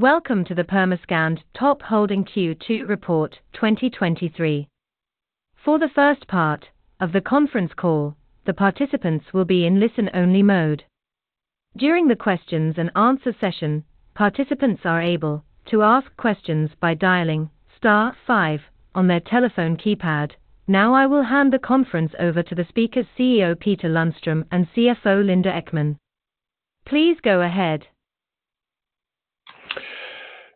Welcome to the Permascand Top Holding Q2 Report 2023. For the first part of the conference call, the participants will be in listen-only mode. During the questions and answer session, participants are able to ask questions by dialing star five on their telephone keypad. Now, I will hand the conference over to the speaker, CEO Peter Lundström, and CFO Linda Ekman. Please go ahead.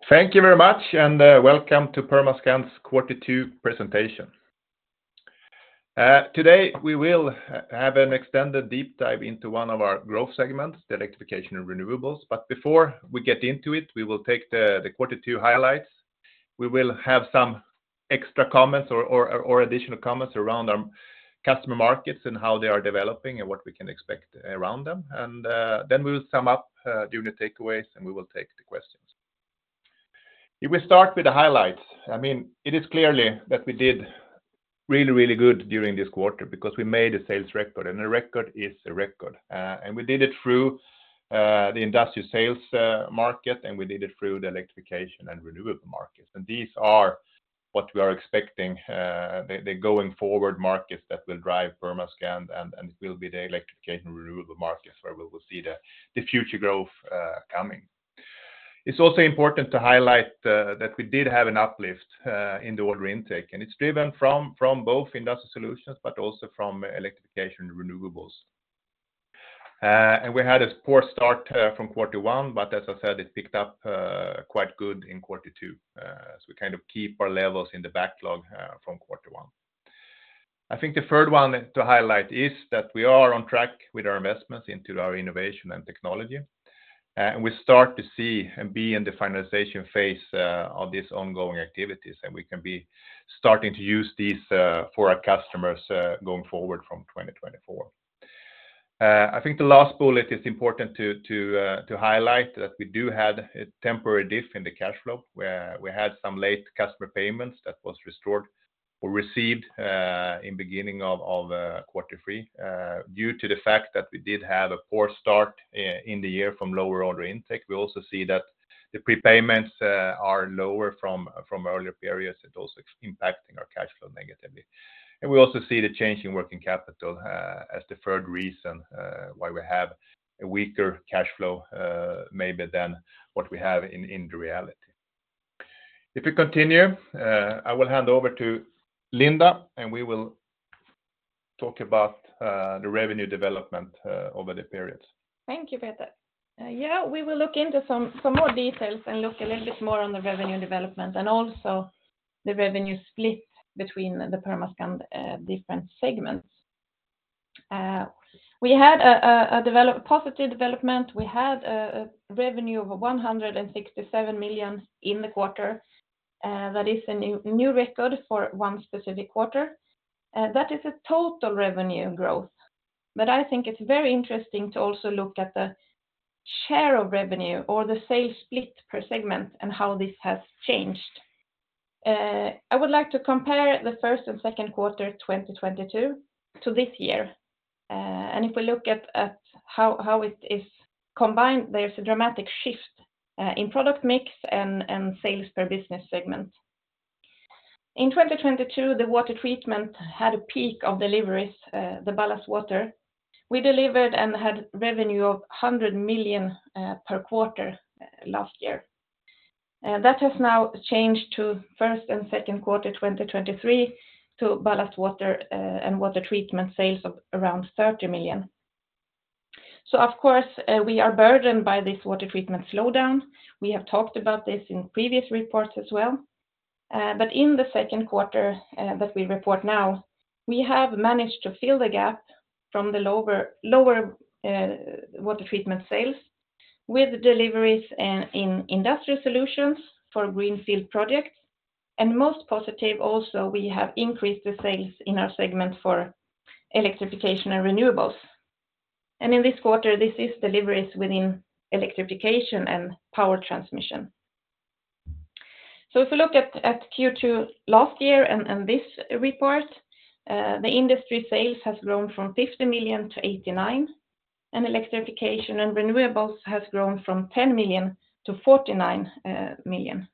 Thank you very much. Welcome to Permascand's Q2 presentation. Today, we will have an extended deep dive into one of our growth segments, the Electrification and Renewables. Before we get into it, we will take the Q2 highlights. We will have some extra comments or additional comments around our customer markets and how they are developing and what we can expect around them. Then we will sum up during the takeaways, and we will take the questions. If we start with the highlights, I mean, it is clearly that we did really, really good during this quarter because we made a sales record, and a record is a record. We did it through the industrial sales market, and we did it through the Electrification and Renewables market. These are what we are expecting, the, the going forward markets that will drive Permascand, and, and it will be the Electrification and Renewables markets where we will see the, the future growth coming. It's also important to highlight that we did have an uplift in the order intake, and it's driven from, from both Industrial Solutions, but also from Electrification and Renewables. We had a poor start from Q1, but as I said, it picked up quite good in Q2. We kind of keep our levels in the backlog from Q1. I think the third one to highlight is that we are on track with our investments into our innovation and technology, and we start to see and be in the finalization phase of these ongoing activities, and we can be starting to use these for our customers going forward from 2024. I think the last bullet is important to, to highlight that we do have a temporary dip in the cash flow, where we had some late customer payments that was restored or received in beginning of, of, Q3. Due to the fact that we did have a poor start in the year from lower order intake, we also see that the prepayments are lower from, from earlier periods, it's also impacting our cash flow negatively. We also see the change in working capital, as the third reason, why we have a weaker cash flow, maybe than what we have in, in the reality. If we continue, I will hand over to Linda, and we will talk about the revenue development over the period. Thank you, Peter. Yeah, we will look into some, some more details and look a little bit more on the revenue development and also the revenue split between the Permascand different segments. We had a positive development. We had a revenue of 167 million in the quarter, that is a new, new record for 1 specific quarter. That is a total revenue growth. I think it's very interesting to also look at the share of revenue or the sales split per segment and how this has changed. I would like to compare the 1st and 2nd quarter 2022 to this year. If we look at how it is combined, there's a dramatic shift in product mix and sales per business segment. In 2022, the Water Treatment had a peak of deliveries, the ballast water. We delivered and had revenue of 100 million per quarter last year. That has now changed to Q1 and Q2 2023, to ballast water and Water Treatment sales of around 30 million. Of course, we are burdened by this Water Treatment slowdown. We have talked about this in previous reports as well. In the second quarter that we report now, we have managed to fill the gap from the lower, lower Water Treatment sales with deliveries in Industrial Solutions for greenfield projects, and most positive also, we have increased the sales in our segment for Electrification and Renewables. In this quarter, this is deliveries within electrification and power transmission. If you look at Q2 last year and this report, the industry sales has grown from 50 million to 89 million, and Electrification and Renewables has grown from 10 million to 49 million.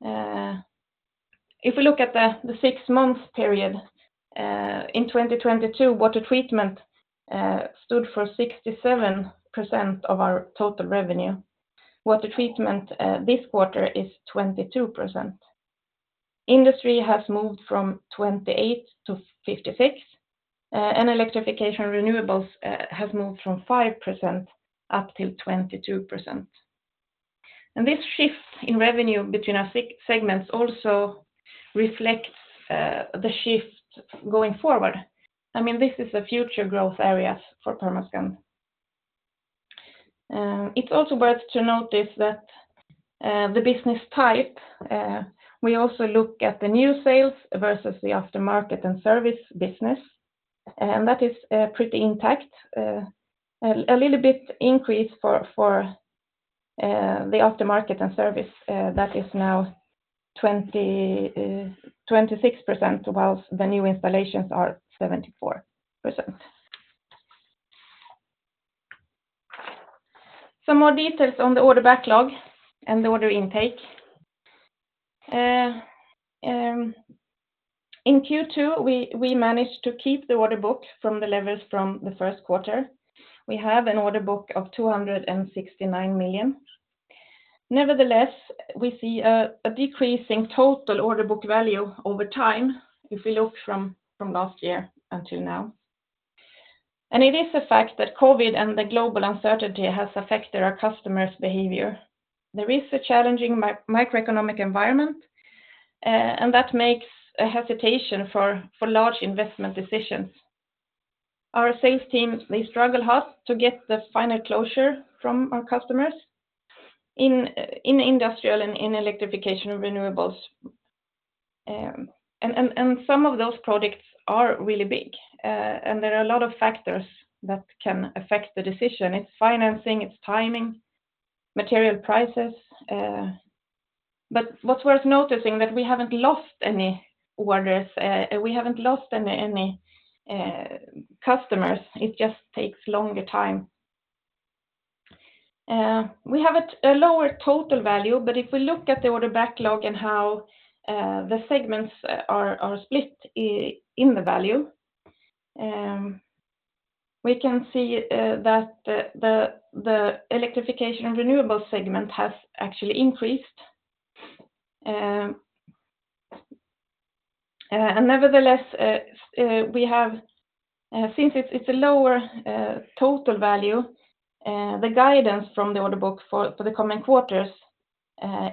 If we look at the six-month period in 2022, Water Treatment stood for 67% of our total revenue. Water Treatment this quarter is 22%. Industry has moved from 28% to 56%, and Electrification Renewables have moved from 5% up to 22%. This shift in revenue between our segments also reflects the shift going forward. I mean, this is a future growth areas for Permascand. It's also worth to notice that the business type, we also look at the new sales versus the aftermarket and service business, and that is pretty intact. A little bit increase for, for, the aftermarket and service, that is now 26%, while the new installations are 74%. Some more details on the order backlog and the order intake. In Q2, we managed to keep the order book from the levels from the 1st quarter. We have an order book of 269 million. Nevertheless, we see a decrease in total order book value over time if we look from, from last year until now. It is a fact that COVID and the global uncertainty has affected our customers' behavior. There is a challenging microeconomic environment, and that makes a hesitation for, for large investment decisions. Our sales teams, they struggle hard to get the final closure from our customers in, in Industrial and in Electrification and Renewables. Some of those products are really big, and there are a lot of factors that can affect the decision. It's financing, it's timing, material prices, but what's worth noticing that we haven't lost any orders, we haven't lost any customers. It just takes longer time. We have a lower total value, but if we look at the order backlog and how the segments are split in the value, we can see that the Electrification and Renewable segment has actually increased. Nevertheless, we have, since it's a lower total value, the guidance from the order book for the coming quarters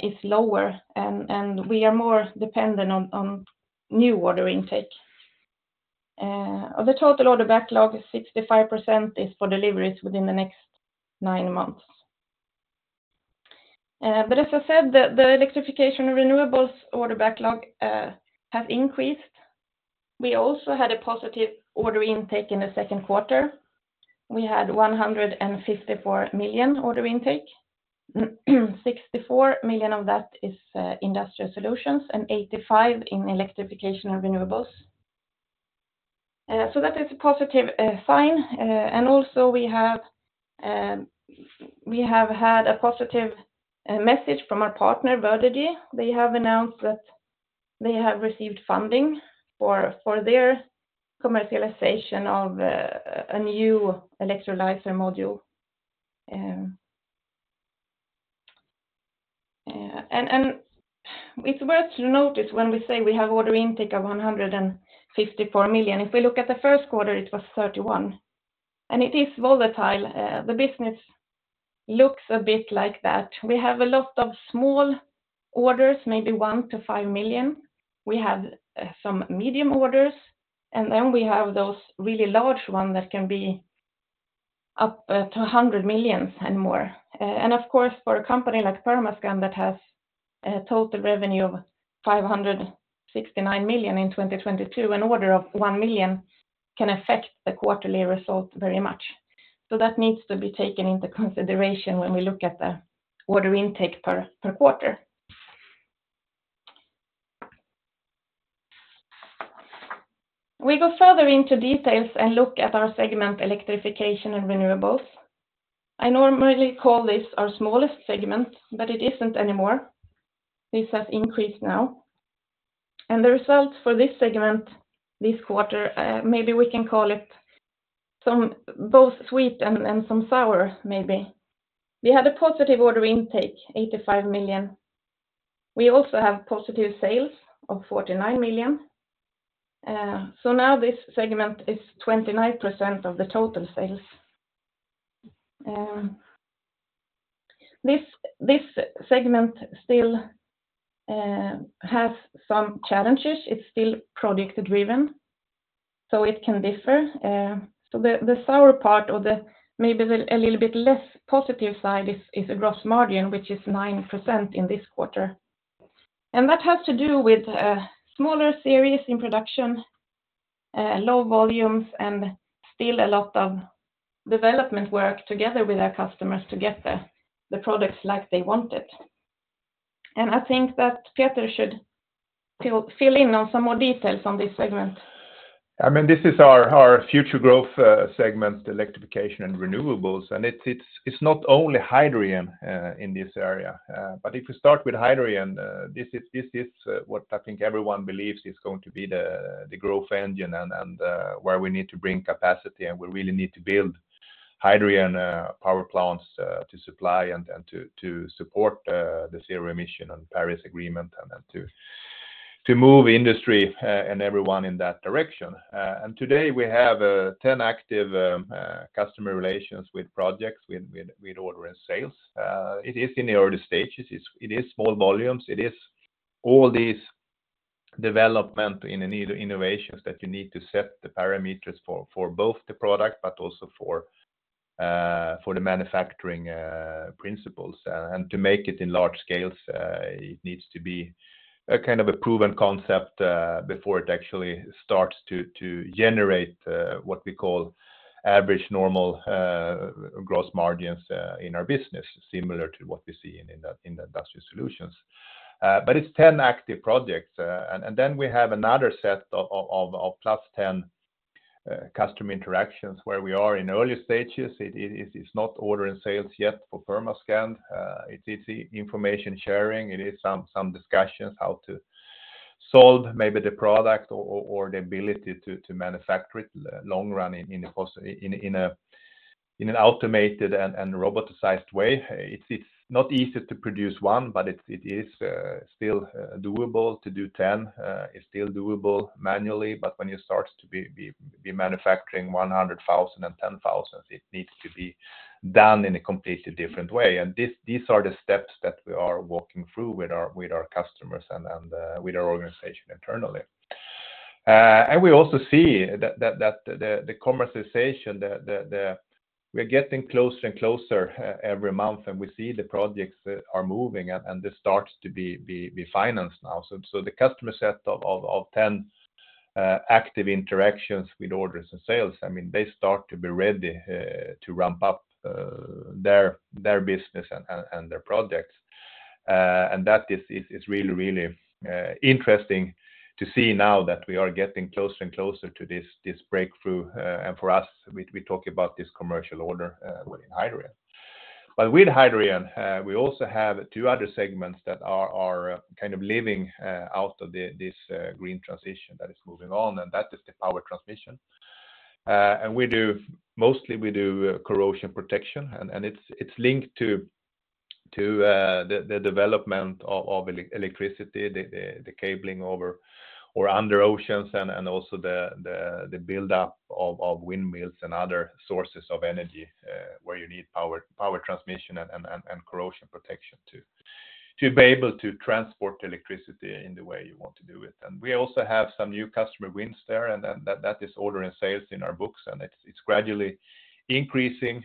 is lower, and we are more dependent on new order intake. Of the total order backlog, 65% is for deliveries within the next 9 months. As I said, the Electrification and Renewables order backlog have increased. We also had a positive order intake in the second quarter. We had 154 million order intake. 64 million of that is Industrial Solutions, and 85 in Electrification and Renewables. That is a positive sign, and also we have had a positive message from our partner, Verdagy. They have announced that they have received funding for their commercialization of a new electrolyzer module. It's worth to notice when we say we have order intake of 154 million, if we look at the first quarter, it was 31, and it is volatile. The business looks a bit like that. We have a lot of small orders, maybe 1 million-5 million. We have some medium orders, and then we have those really large one that can be up to 100 million and more. Of course, for a company like Permascand that has a total revenue of 569 million in 2022, an order of 1 million can affect the quarterly result very much. That needs to be taken into consideration when we look at the order intake per quarter. We go further into details and look at our segment, Electrification and Renewables. I normally call this our smallest segment, but it isn't anymore. This has increased now. The results for this segment, this quarter, maybe we can call it some, both sweet and some sour, maybe. We had a positive order intake, eighty-five million. We also have positive sales of forty-nine million. Uh, so now this segment is twenty-nine percent of the total sales. Um, this, this segment still, uh, has some challenges. It's still product driven, so it can differ. Uh, so the, the sour part or the maybe the a little bit less positive side is, is the gross margin, which is nine percent in this quarter. And that has to do with, uh, smaller series in production, uh, low volumes, and still a lot of development work together with our customers to get the, the products like they want it. And I think that Peter should fill, fill in on some more details on this segment. I mean, this is our, our future growth segment, Electrification and Renewables, and it's, it's, it's not only hydrogen in this area, but if you start with hydrogen, this is, this is, what I think everyone believes is going to be the, the growth engine and, and, where we need to bring capacity, and we really need to build hydrogen power plants to supply and, and to, to support the zero emission and Paris Agreement, and then to, to move industry and everyone in that direction. And today we have 10 active customer relations with projects, with, with, with order and sales. It is in the early stages. It's, it is small volumes. It is all these development and innovations that you need to set the parameters for, for both the product, but also for the manufacturing principles. To make it in large scales, it needs to be a kind of a proven concept before it actually starts to generate what we call average normal gross margins in our business, similar to what we see in the Industrial Solutions. It's 10 active projects. Then we have another set of of of of +10 customer interactions where we are in early stages. It, it is, it's not order and sales yet for Permascand. It is information sharing. It is some, some discussions how to solve maybe the product or, or, or the ability to manufacture it long run in, in, of course, in, in an automated and roboticized way. It's not easy to produce 1, but it is still doable to do 10. It's still doable manually, but when you start to be manufacturing 100,000 and 10,000s, it needs to be done in a completely different way. These are the steps that we are walking through with our, with our customers and with our organization internally. We also see that the commercialization, we're getting closer and closer every month, and we see the projects are moving, and this starts to be financed now. The customer set of 10 active interactions with orders and sales, I mean, they start to be ready to ramp up their business and their projects. That is really, really interesting to see now that we are getting closer and closer to this breakthrough, and for us, we talk about this commercial order within Hydrogen. With Hydrogen, we also have two other segments that are kind of living out of this green transition that is moving on, and that is the power transmission. We mostly, we do corrosion protection, and, and it's, it's linked to, to the, the development of, of electricity, the, the cabling over or under oceans, and, and also the, the, the build-up of, of windmills and other sources of energy, where you need power, power transmission and, and, and, and corrosion protection to, to be able to transport electricity in the way you want to do it. We also have some new customer wins there, and then that, that is order and sales in our books, and it's, it's gradually increasing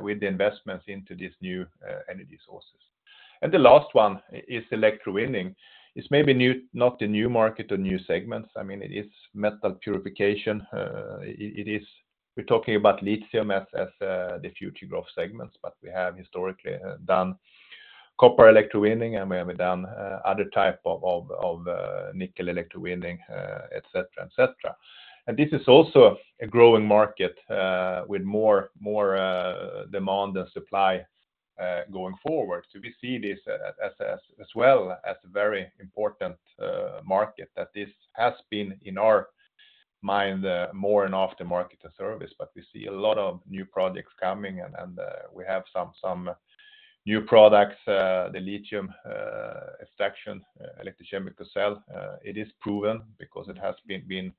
with the investments into these new energy sources. The last one is electrowinning. It's maybe not a new market or new segments. I mean, it is metal purification. It, it is... We're talking about lithium as, as the future growth segments, but we have historically done copper electrowinning, and we have done other type of, of, of nickel electrowinning, et cetera, et cetera. This is also a growing market with more, more demand and supply going forward. We see this as, as well as a very important market, that this has been in our mind more an after-market and service, but we see a lot of new projects coming, and, and we have some, some new products, the lithium extraction electrochemical cell. It is proven because it has been, been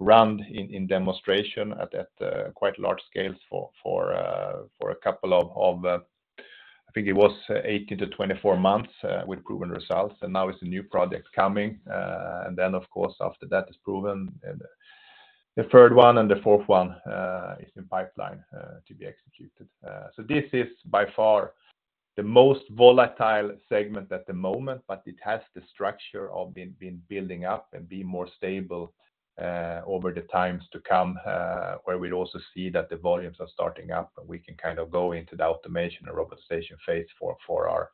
run in, in demonstration at, at quite large scales for, for for a couple of, of, I think it was 18 to 24 months with proven results, and now it's a new project coming. And then, of course, after that is proven, and the third one and the fourth one is in pipeline to be executed. This is by far the most volatile segment at the moment, but it has the structure of being, being building up and being more stable over the times to come, where we'd also see that the volumes are starting up, and we can kind of go into the automation or robotization phase for, for our,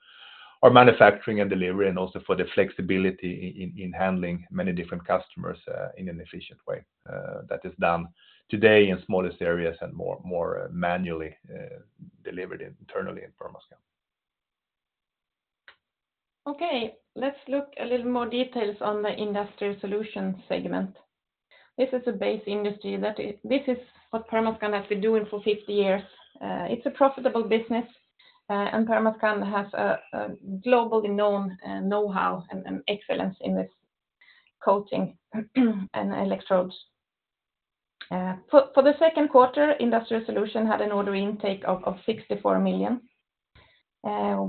our manufacturing and delivery, and also for the flexibility i- in, in handling many different customers in an efficient way. That is done today in smaller areas and more, more manually delivered internally in Permascand. Okay, let's look a little more details on the Industrial Solutions segment. This is a base industry that this is what Permascand has been doing for 50 years. It's a profitable business, and Permascand has a globally known know-how and excellence in this coating and electrodes. For the second quarter, Industrial Solutions had an order intake of 64 million.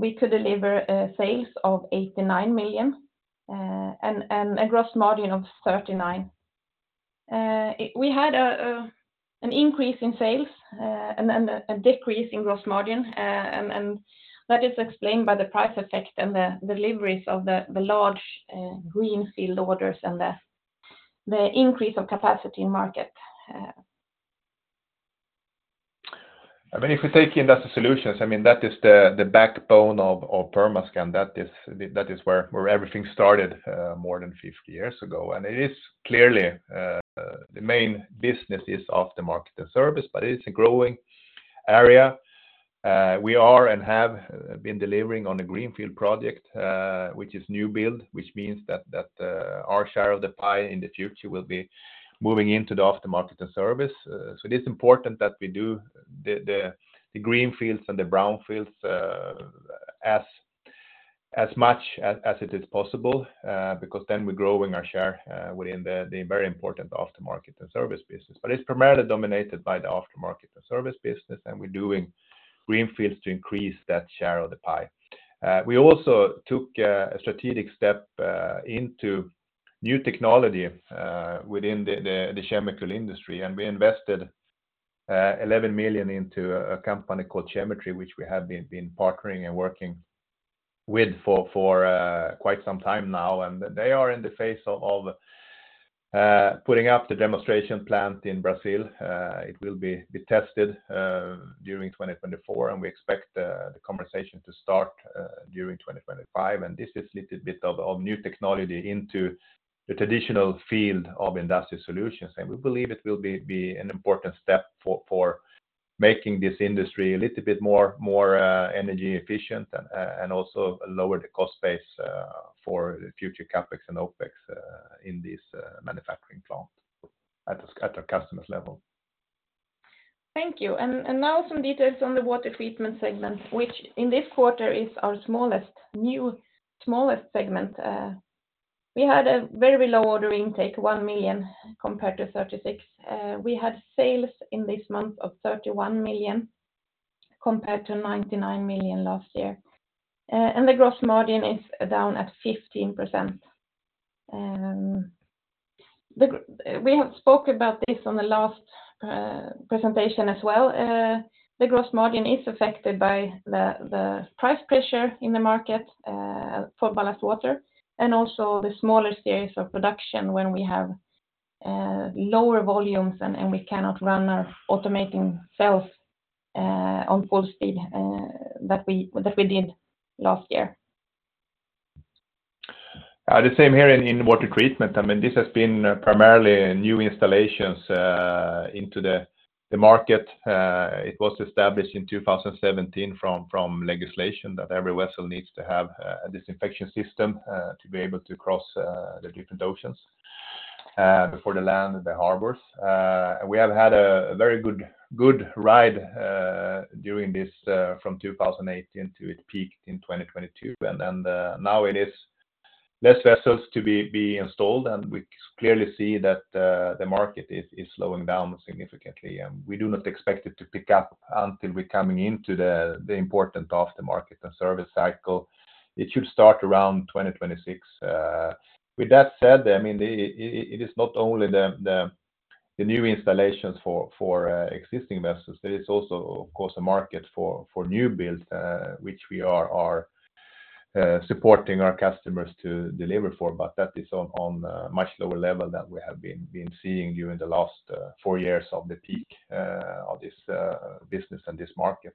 We could deliver a sales of 89 million and a gross margin of 39%. We had an increase in sales and then a decrease in gross margin, and that is explained by the price effect and the deliveries of the large greenfield orders and the increase of capacity in market. I mean, if you take Industrial Solutions, I mean, that is the, the backbone of, of Permascand. That is, that is where, where everything started more than 50 years ago. It is clearly the main businesses of the market and service, but it is a growing area. We are and have been delivering on a greenfield project, which is new build, which means that, that our share of the pie in the future will be moving into the aftermarket and service. So it is important that we do the, the, the greenfields and the brownfields as, as much as, as it is possible, because then we're growing our share within the, the very important aftermarket and service business. It's primarily dominated by the aftermarket and service business, and we're doing greenfields to increase that share of the pie. We also took a strategic step into new technology within the chemical industry, and we invested 11 million into a company called Chemetry, which we have been partnering and working with quite some time now. They are in the phase of putting up the demonstration plant in Brazil, it will be tested during 2024, and we expect the conversation to start during 2025. This is little bit of new technology into the traditional field of Industrial Solutions, and we believe it will be an important step for making this industry a little bit more energy efficient and also lower the cost base for future CapEx and OpEx in this manufacturing plant at the customer's level. Thank you. Now some details on the Water Treatment segment, which in this quarter is our smallest, new smallest segment. We had a very low order intake, 1 million compared to 36 million. We had sales in this month of 31 million, compared to 99 million last year. The gross margin is down at 15%. We have spoke about this on the last presentation as well. The gross margin is affected by the price pressure in the market for ballast water, also the smaller series of production when we have lower volumes we cannot run our automating cells on full speed that we did last year. The same here in Water Treatment. I mean, this has been primarily new installations into the market. It was established in 2017 from legislation that every vessel needs to have a disinfection system to be able to cross the different oceans before they land in the harbors. We have had a very good, good ride during this, from 2018 to it peaked in 2022. Then, now it is less vessels to be installed, and we clearly see that the market is slowing down significantly. We do not expect it to pick up until we're coming into the important after market and service cycle. It should start around 2026. With that said, I mean, it is not only the new installations for, for existing vessels, there is also, of course, a market for, for new builds, which we are, are supporting our customers to deliver for, but that is on, on a much lower level than we have been, been seeing during the last four years of the peak of this business and this market.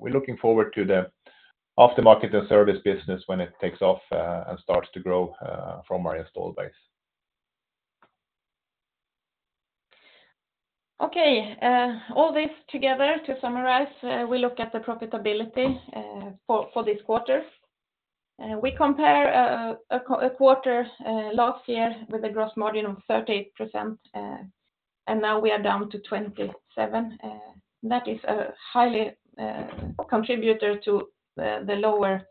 We're looking forward to the aftermarket and service business when it takes off and starts to grow from our install base. Okay, all this together, to summarize, we look at the profitability for this quarter. We compare a quarter last year with a gross margin of 38%, now we are down to 27%. That is a highly contributor to the lower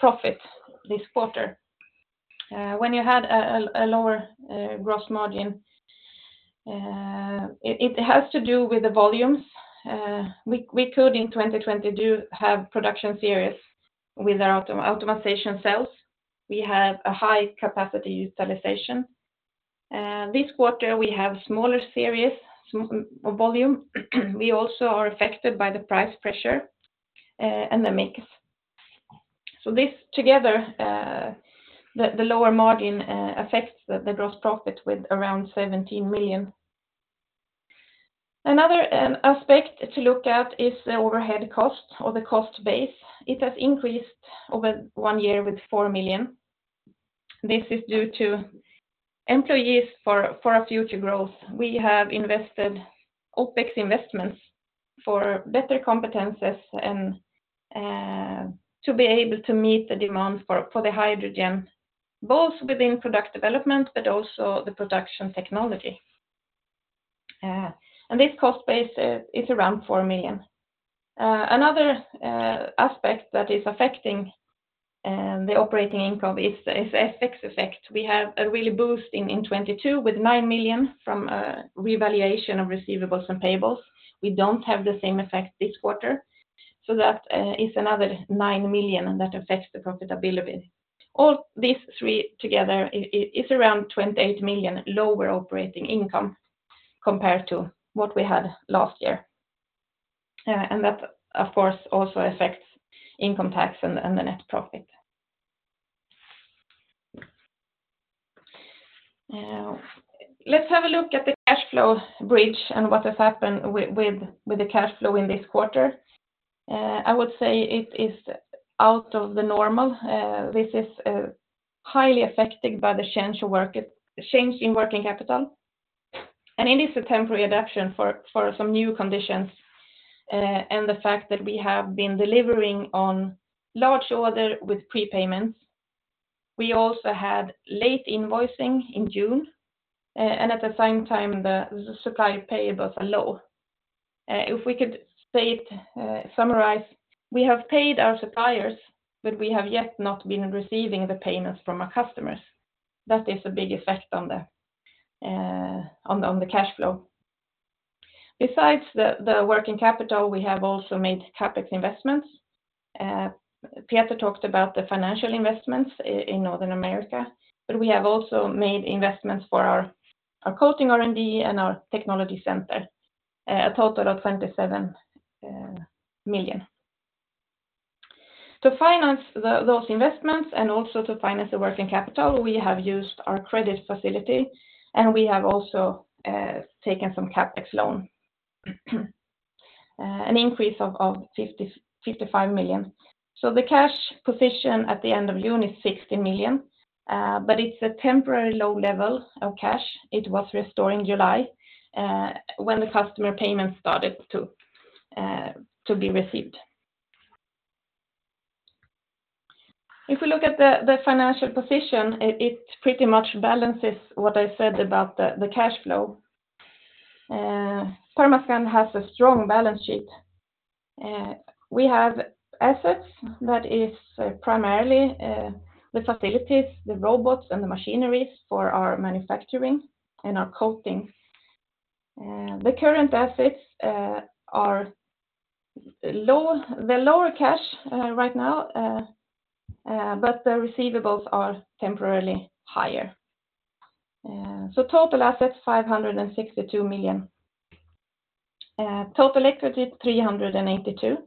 profit this quarter. When you had a lower gross margin, it has to do with the volumes. We could, in 2022, have production series with our auto- automatization cells. We had a high capacity utilization. This quarter, we have smaller series, small volume. We also are affected by the price pressure and the mix. This together, the lower margin, affects the gross profit with around 17 million. Another aspect to look at is the overhead cost or the cost base. It has increased over one year with 4 million. This is due to employees for, for our future growth. We have invested OpEx investments for better competencies and to be able to meet the demand for, for the hydrogen, both within product development, but also the production technology. This cost base is, is around 4 million. Another aspect that is affecting the operating income is the, is FX effect. We have a really boost in, in 2022 with 9 million from revaluation of receivables and payables. We don't have the same effect this quarter, so that is another 9 million, and that affects the profitability. All these three together, it, it, is around 28 million lower operating income compared to what we had last year. That, of course, also affects income tax and the, and the net profit. Let's have a look at the cash flow bridge and what has happened with the cash flow in this quarter. I would say it is out of the normal. This is highly affected by the change of work- change in working capital, and it is a temporary adaptation for, for some new conditions, and the fact that we have been delivering on large order with prepayments. We also had late invoicing in June, and at the same time, the supplier payables are low. If we could say, summarize, we have paid our suppliers, but we have yet not been receiving the payments from our customers. That is a big effect on the, on the cash flow. Besides the, the working capital, we have also made CapEx investments. Peter talked about the financial investments in Northern America, but we have also made investments for our, our coating R&D and our technology center, a total of 27 million. To finance the, those investments and also to finance the working capital, we have used our credit facility, and we have also taken some CapEx loan, an increase of, of 55 million. The cash position at the end of June is 60 million, but it's a temporary low level of cash. It was restored in July, when the customer payments started to be received. If we look at the, the financial position, it, it pretty much balances what I said about the, the cash flow. Permascand has a strong balance sheet. We have assets that is primarily the facilities, the robots, and the machineries for our manufacturing and our coatings. The current assets are the lower cash right now, but the receivables are temporarily higher. Total assets, 562 million. Total equity, 382 million,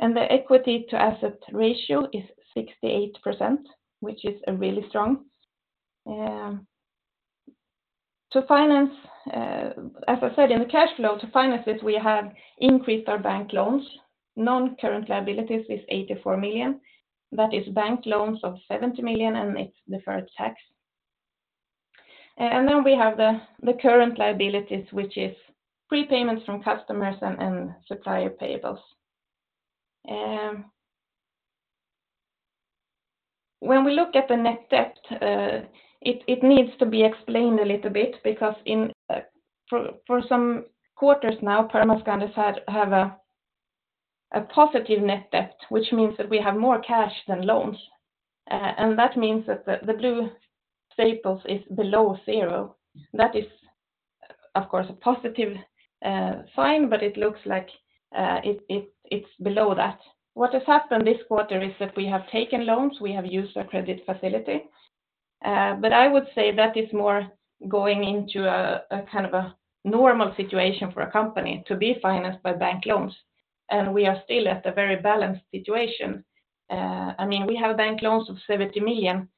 and the equity to asset ratio is 68%, which is really strong. To finance, as I said in the cash flow, to finance it, we have increased our bank loans. Non-current liabilities is 84 million. That is bank loans of 70 million, and it's deferred tax. We have the current liabilities, which is prepayments from customers and supplier payables. When we look at the net debt, it needs to be explained a little bit because for some quarters now, Permascand has had a positive net debt, which means that we have more cash than loans. That means that the blue staples is below zero. That is, of course, a positive sign, but it looks like it's below that. What has happened this quarter is that we have taken loans, we have used our credit facility, but I would say that is more going into a kind of a normal situation for a company to be financed by bank loans, and we are still at a very balanced situation. I mean, we have bank loans of 70 million,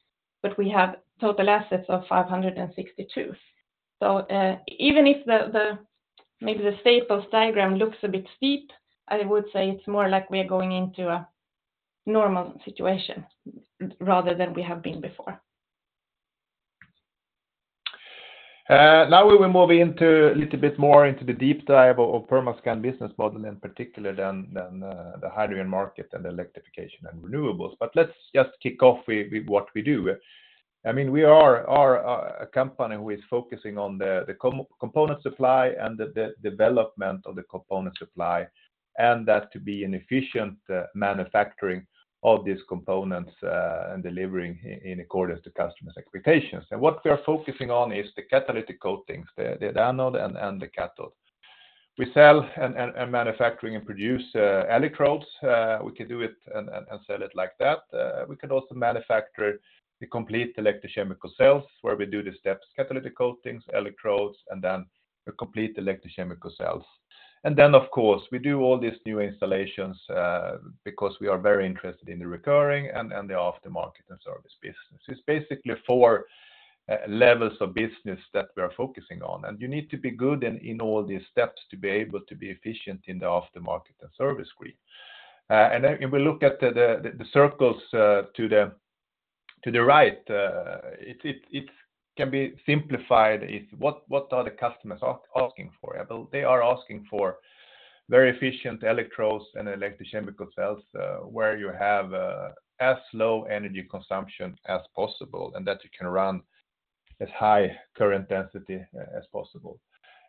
but we have total assets of 562. Even if the maybe the staples diagram looks a bit steep, I would say it's more like we are going into a normal situation rather than we have been before. Now we will move into a little bit more into the deep dive of Permascand business model, in particular, than the hydrogen market and the Electrification and Renewables. Let's just kick off with what we do. I mean, we are a company who is focusing on the component supply and the development of the component supply, and that to be an efficient manufacturing of these components and delivering in accordance to customers' expectations. What we are focusing on is the catalytic coatings, the anode and the cathode. We sell and manufacturing and produce electrodes. We can do it and sell it like that. We can also manufacture the complete electrochemical cells, where we do the steps, catalytic coatings, electrodes, and then the complete electrochemical cells. Then, of course, we do all these new installations, because we are very interested in the recurring and, and the aftermarket and service business. It's basically four levels of business that we are focusing on, and you need to be good in, in all these steps to be able to be efficient in the aftermarket and service grid. Then if we look at the, the, the circles to the, to the right, it, it, it can be simplified as what, what are the customers asking for? Well, they are asking for very efficient electrodes and electrochemical cells, where you have as low energy consumption as possible, and that you can run as high current density as possible.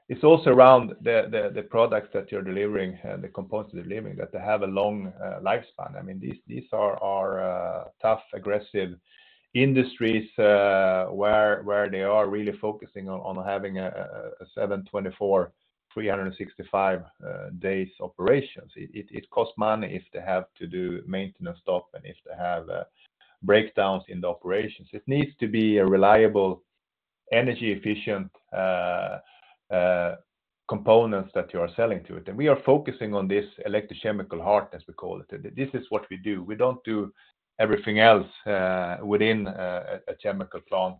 It's also around the, the, the products that you're delivering, the components you're delivering, that they have a long lifespan. I mean, these, these are tough, aggressive industries, where they are really focusing on having a 7/24, 365 days operations. It costs money if they have to do maintenance stop, and if they have breakdowns in the operations. It needs to be a reliable, energy-efficient components that you are selling to it. We are focusing on this electrochemical heart, as we call it. This is what we do. We don't do everything else within a chemical plant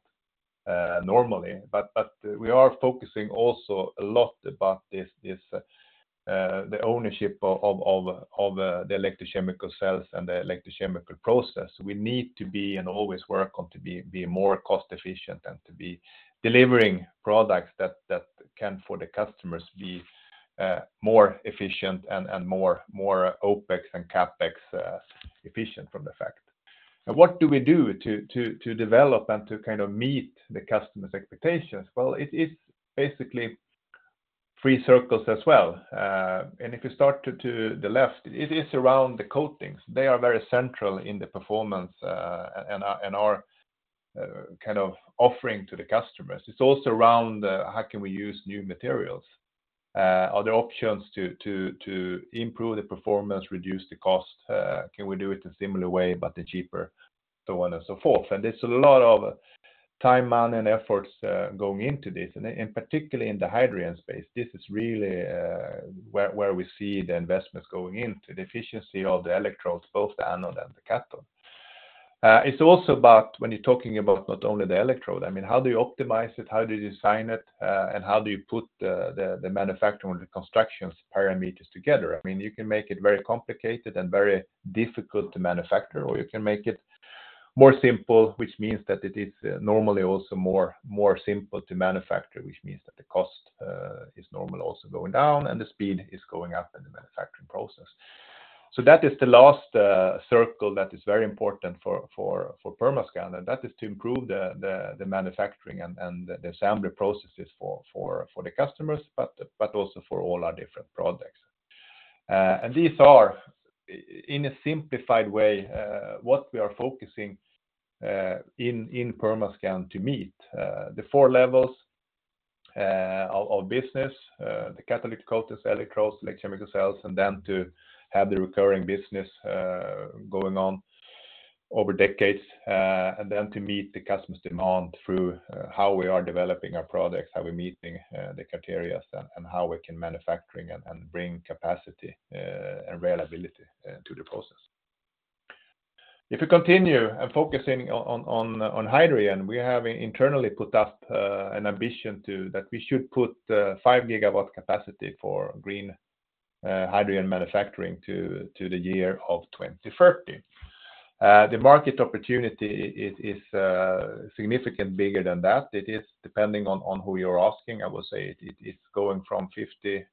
normally, but we are focusing also a lot about this, this, the ownership of the electrochemical cells and the electrochemical process. We need to be, and always work on to be more cost-efficient and to be delivering products that, that can, for the customers, be more efficient and more OpEx and CapEx efficient from the fact. What do we do to develop and to kind of meet the customer's expectations? Well, it is basically three circles as well. If you start to the left, it is around the coatings. They are very central in the performance and are kind of offering to the customers. It's also around how can we use new materials? Are there options to improve the performance, reduce the cost? Can we do it a similar way, but cheaper, so on and so forth. There's a lot of time, money, and efforts going into this, and, and particularly in the hydrogen space, this is really where, where we see the investments going into the efficiency of the electrodes, both the anode and the cathode. It's also about when you're talking about not only the electrode, I mean, how do you optimize it, how do you design it, and how do you put the, the, the manufacturing and the construction parameters together? I mean, you can make it very complicated and very difficult to manufacture, or you can make it more simple, which means that it is normally also more, more simple to manufacture, which means that the cost is normally also going down and the speed is going up in the manufacturing process. That is the last circle that is very important for Permascand, and that is to improve the manufacturing and the assembly processes for the customers, but also for all our different projects. These are in a simplified way what we are focusing in Permascand to meet the 4 levels of business, the catalytic coatings, electrodes, electrochemical cells, and then to have the recurring business going on over decades, and then to meet the customer's demand through how we are developing our products, how we're meeting the criterias, and how we can manufacturing and bring capacity and reliability to the process. If you continue and focusing on hydrogen, we have internally put up an ambition to... that we should put 5 gigawatt capacity for green hydrogen manufacturing to, to the year of 2030. The market opportunity is, is, significant bigger than that. It is depending on, on who you're asking, I will say it, it's going from 50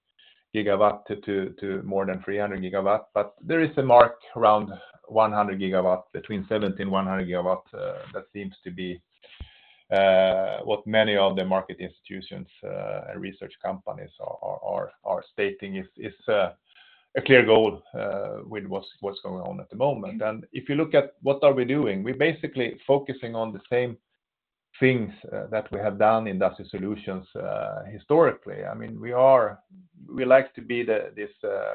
gigawatt to, to, to more than 300 gigawatt, but there is a mark around 100 gigawatt, between 70 and 100 gigawatt, that seems to be what many of the market institutions and research companies are, are, are stating is, is, a clear goal with what's, what's going on at the moment. If you look at what are we doing, we're basically focusing on the same things that we have done in Industrial Solutions historically. I mean, we are- we like to be the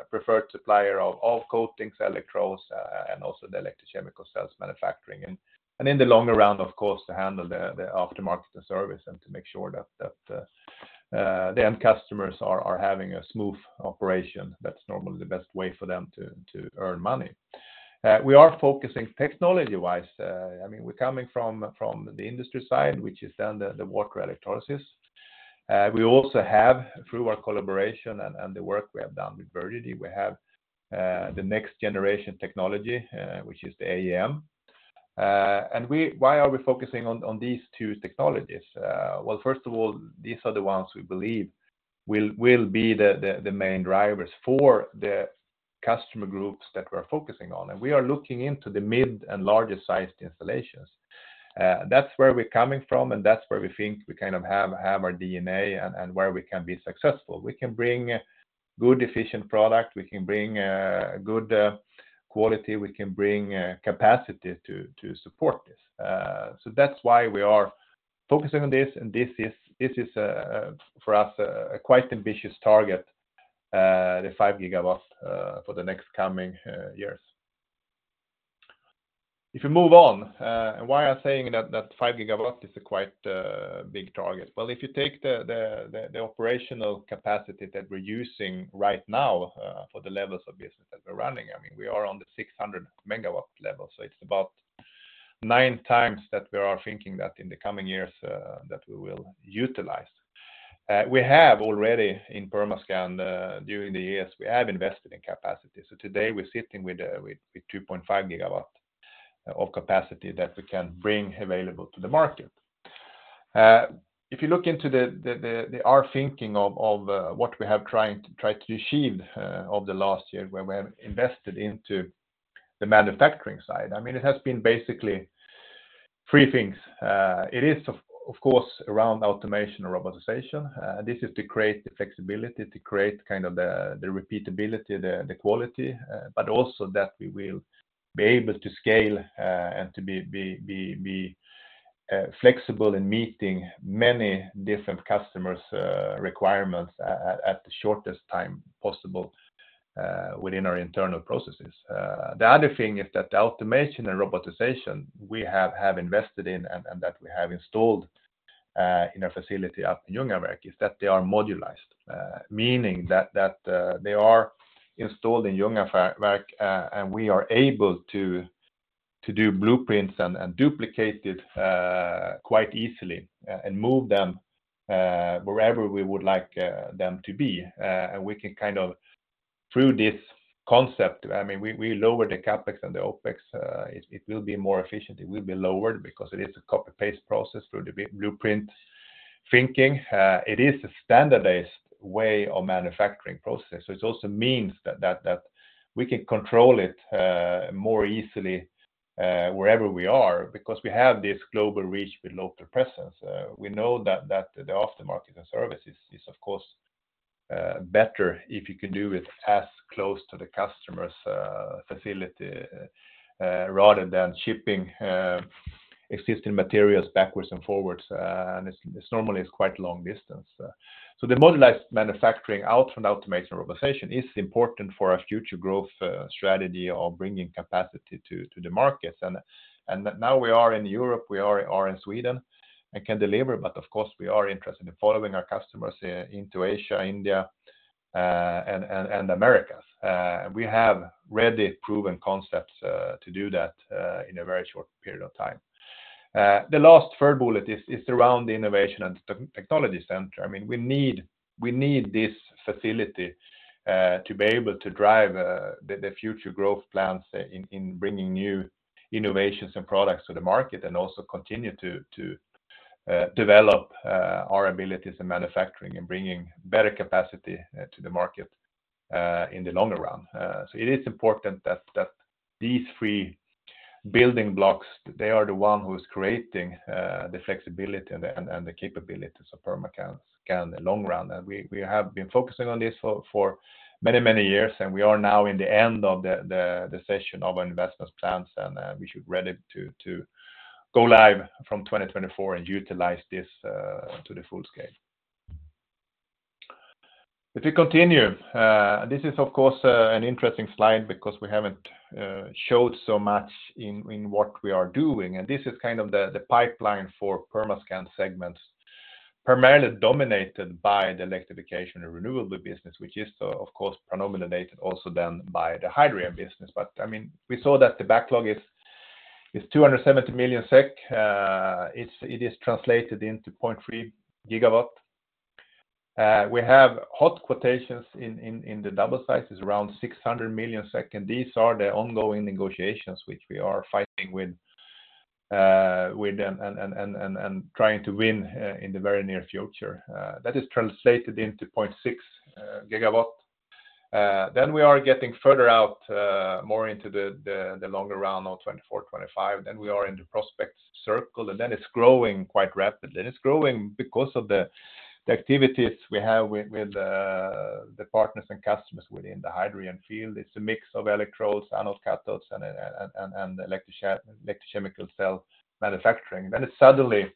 preferred supplier of all coatings, electrodes, and also the electrochemical cells manufacturing. In the long run, of course, to handle the aftermarket, the service, and to make sure that the end customers are having a smooth operation. That's normally the best way for them to earn money. We are focusing technology-wise, I mean, we're coming from the industry side, which is then the water electrolysis. We also have, through our collaboration and the work we have done with Verdagy, we have the next generation technology, which is the AEM. Why are we focusing on these two technologies? Well, first of all, these are the ones we believe will, will be the, the, the main drivers for the customer groups that we're focusing on, and we are looking into the mid and larger-sized installations. That's where we're coming from, and that's where we think we kind of have, have our DNA and, and where we can be successful. We can bring a good, efficient product, we can bring good quality, we can bring capacity to, to support this. That's why we are focusing on this, and this is, this is, for us, a quite ambitious target, the 5 gigawatts, for the next coming years. If you move on, and why I'm saying that, that 5 gigawatt is a quite big target? Well, if you take the, the, the operational capacity that we're using right now, for the levels of business that we're running, I mean, we are on the 600 megawatt level, so it's about 9 times that we are thinking that in the coming years that we will utilize. We have already in Permascand, during the years, we have invested in capacity. Today, we're sitting with, with, with 2.5 gigawatt of capacity that we can bring available to the market. If you look into the, the, the, the our thinking of, of what we have tried to achieve, over the last year, where we have invested into the manufacturing side, I mean, it has been basically 3 things. It is of, of course, around automation and robotization. This is to create the flexibility, to create kind of the, the repeatability, the, the quality, but also that we will be able to scale and to be, be, be, be flexible in meeting many different customers' requirements at the shortest time possible within our internal processes. The other thing is that the automation and robotization we have, have invested in and that we have installed in our facility up in Ljungaverk, is that they are modularized, meaning that, that they are installed in Ljungaverk, and we are able to do blueprints and duplicate it quite easily and move them wherever we would like them to be. We can kind of through this concept, I mean, we, we lower the CapEx and the OpEx. It, it will be more efficient, it will be lowered because it is a copy-paste process through the blueprint thinking. It is a standardized way of manufacturing process, so it also means that, that, that we can control it more easily wherever we are, because we have this global reach with local presence. We know that, that the aftermarket and services is, of course, better if you can do it as close to the customer's facility rather than shipping existing materials backwards and forwards, and it's, it's normally is quite long distance. The modularized manufacturing out from automation robotization is important for our future growth strategy of bringing capacity to the market. Now we are in Europe, we are in Sweden and can deliver, but of course, we are interested in following our customers into Asia, India, and Americas. We have ready proven concepts to do that in a very short period of time. The last third bullet is around the innovation and technology center. I mean, we need this facility to be able to drive the future growth plans in bringing new innovations and products to the market, and also continue to develop our abilities in manufacturing and bringing better capacity to the market in the longer run. It is important that these three building blocks, they are the one who is creating the flexibility and the capabilities of Permascand in the long run. We, we have been focusing on this for many, many years, and we are now in the end of the session of investment plans, and we should be ready to go live from 2024 and utilize this to the full scale. This is of course an interesting slide because we haven't showed so much in what we are doing. This is kind of the pipeline for Permascand segments, primarily dominated by the Electrification and Renewables business, which is, of course, predominated also then by the hydrogen business. I mean, we saw that the backlog is 270 million SEK. It is translated into 0.3 gigawatt. We have hot quotations in the double sizes, around 600 million. These are the ongoing negotiations, which we are fighting with them and trying to win in the very near future. That is translated into 0.6 gigawatt. Then we are getting further out, more into the longer run of 2024, 2025, then we are in the prospects circle, and then it's growing quite rapidly. It's growing because of the activities we have with the partners and customers within the hydrogen field. It's a mix of electrodes, anodes, cathodes, and electrochemical cell manufacturing. It's suddenly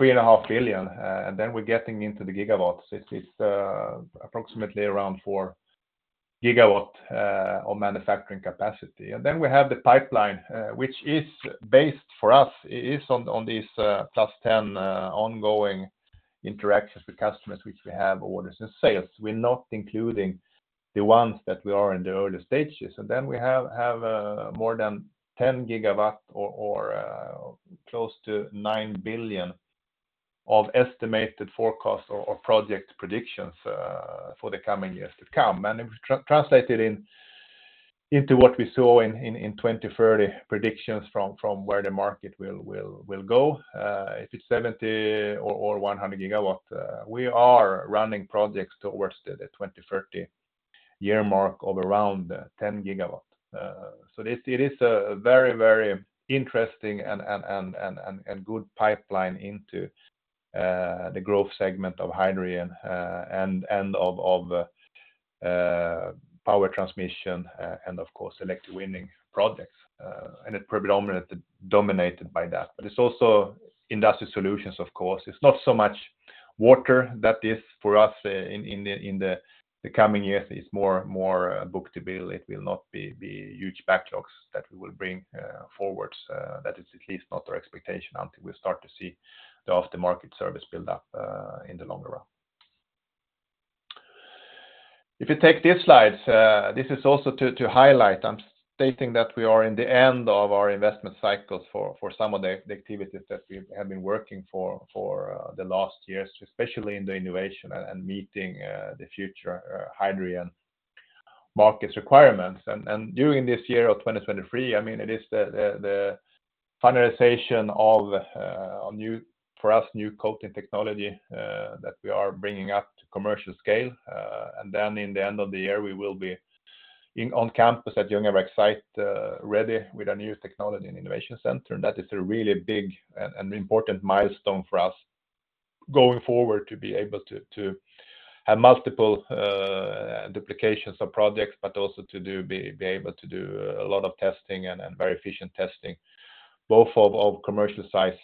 3.5 billion, and then we're getting into the gigawatts. It's approximately around 4 gigawatt of manufacturing capacity. We have the pipeline, which is based for us, is on this +10 ongoing interactions with customers, which we have orders and sales. We're not including the ones that we are in the early stages. We have more than 10 gigawatt or close to 9 billion of estimated forecast or project predictions for the coming years to come. It was translated into what we saw in 2030 predictions from where the market will go, if it's 70 or 100 gigawatt. We are running projects towards the 2030 year mark of around 10 gigawatt. This it is a very, very interesting and, and, and, and, and good pipeline into the growth segment of hydrogen, and, and of power transmission, and of course, electrowinning projects, and it predominated, dominated by that. It's also Industrial Solutions, of course. It's not so much water that is for us in, in the, in the, the coming years. It's more, more, book to build. It will not be, be huge backlogs that we will bring forwards. That is at least not our expectation until we start to see the after-market service build up in the longer run. If you take this slide, this is also to, to highlight. I'm stating that we are in the end of our investment cycles for, for some of the activities that we have been working for, for the last years, especially in the innovation and meeting the future hydrogen markets requirements. during this year of 2023, I mean, it is the finalization of a new for us, new coating technology that we are bringing up to commercial scale. in the end of the year, we will be on campus at Ljungaverk site, ready with a new technology and innovation center. that is a really big and important milestone for us going forward to be able to have multiple duplications of projects, but also to do... be able to do a lot of testing and very efficient testing, both of commercial-sized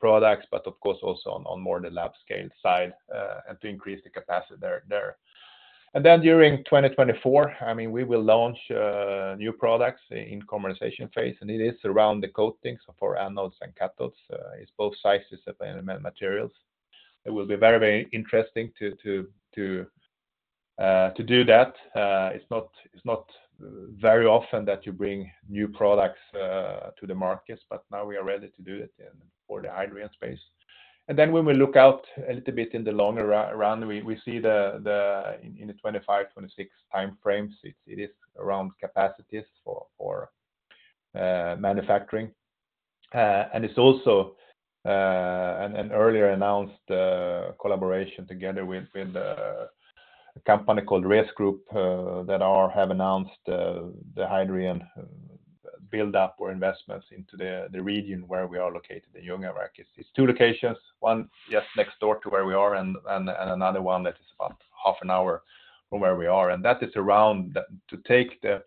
products, but of course, also on more the lab scale side, and to increase the capacity there, there. Then during 2024, I mean, we will launch new products in commercialization phase, and it is around the coatings for anodes and cathodes. It's both sizes of materials. It will be very, very interesting to do that. It's not very often that you bring new products to the market, but now we are ready to do it in, for the hydrogen space. Then when we look out a little bit in the longer run, we see the, in the 25, 26 time frames, it's, it is around capacities for manufacturing. It's also an an earlier announced collaboration together with with a company called RES Group that have announced the hydrogen build up or investments into the the region where we are located, in Ljungaverk. It's two locations, one just next door to where we are and and and another one that is about half an hour from where we are. That is around to take the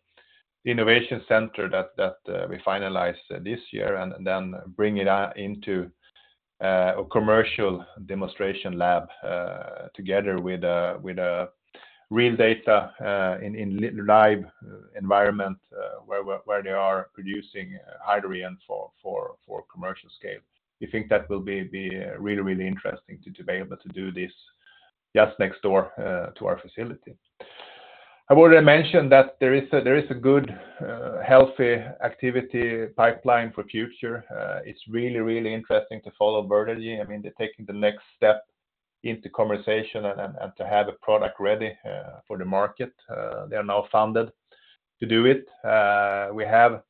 innovation center that that we finalized this year, and then bring it out into a commercial demonstration lab together with a with a real data in in live environment where where they are producing hydrogen for for for commercial scale. We think that will be really, really interesting to be able to do this just next door to our facility. I've already mentioned that there is a, there is a good, healthy activity pipeline for future. It's really, really interesting to follow Verdagy. I mean, they're taking the next step into conversation and, and to have a product ready, for the market. They are now funded to do it. We have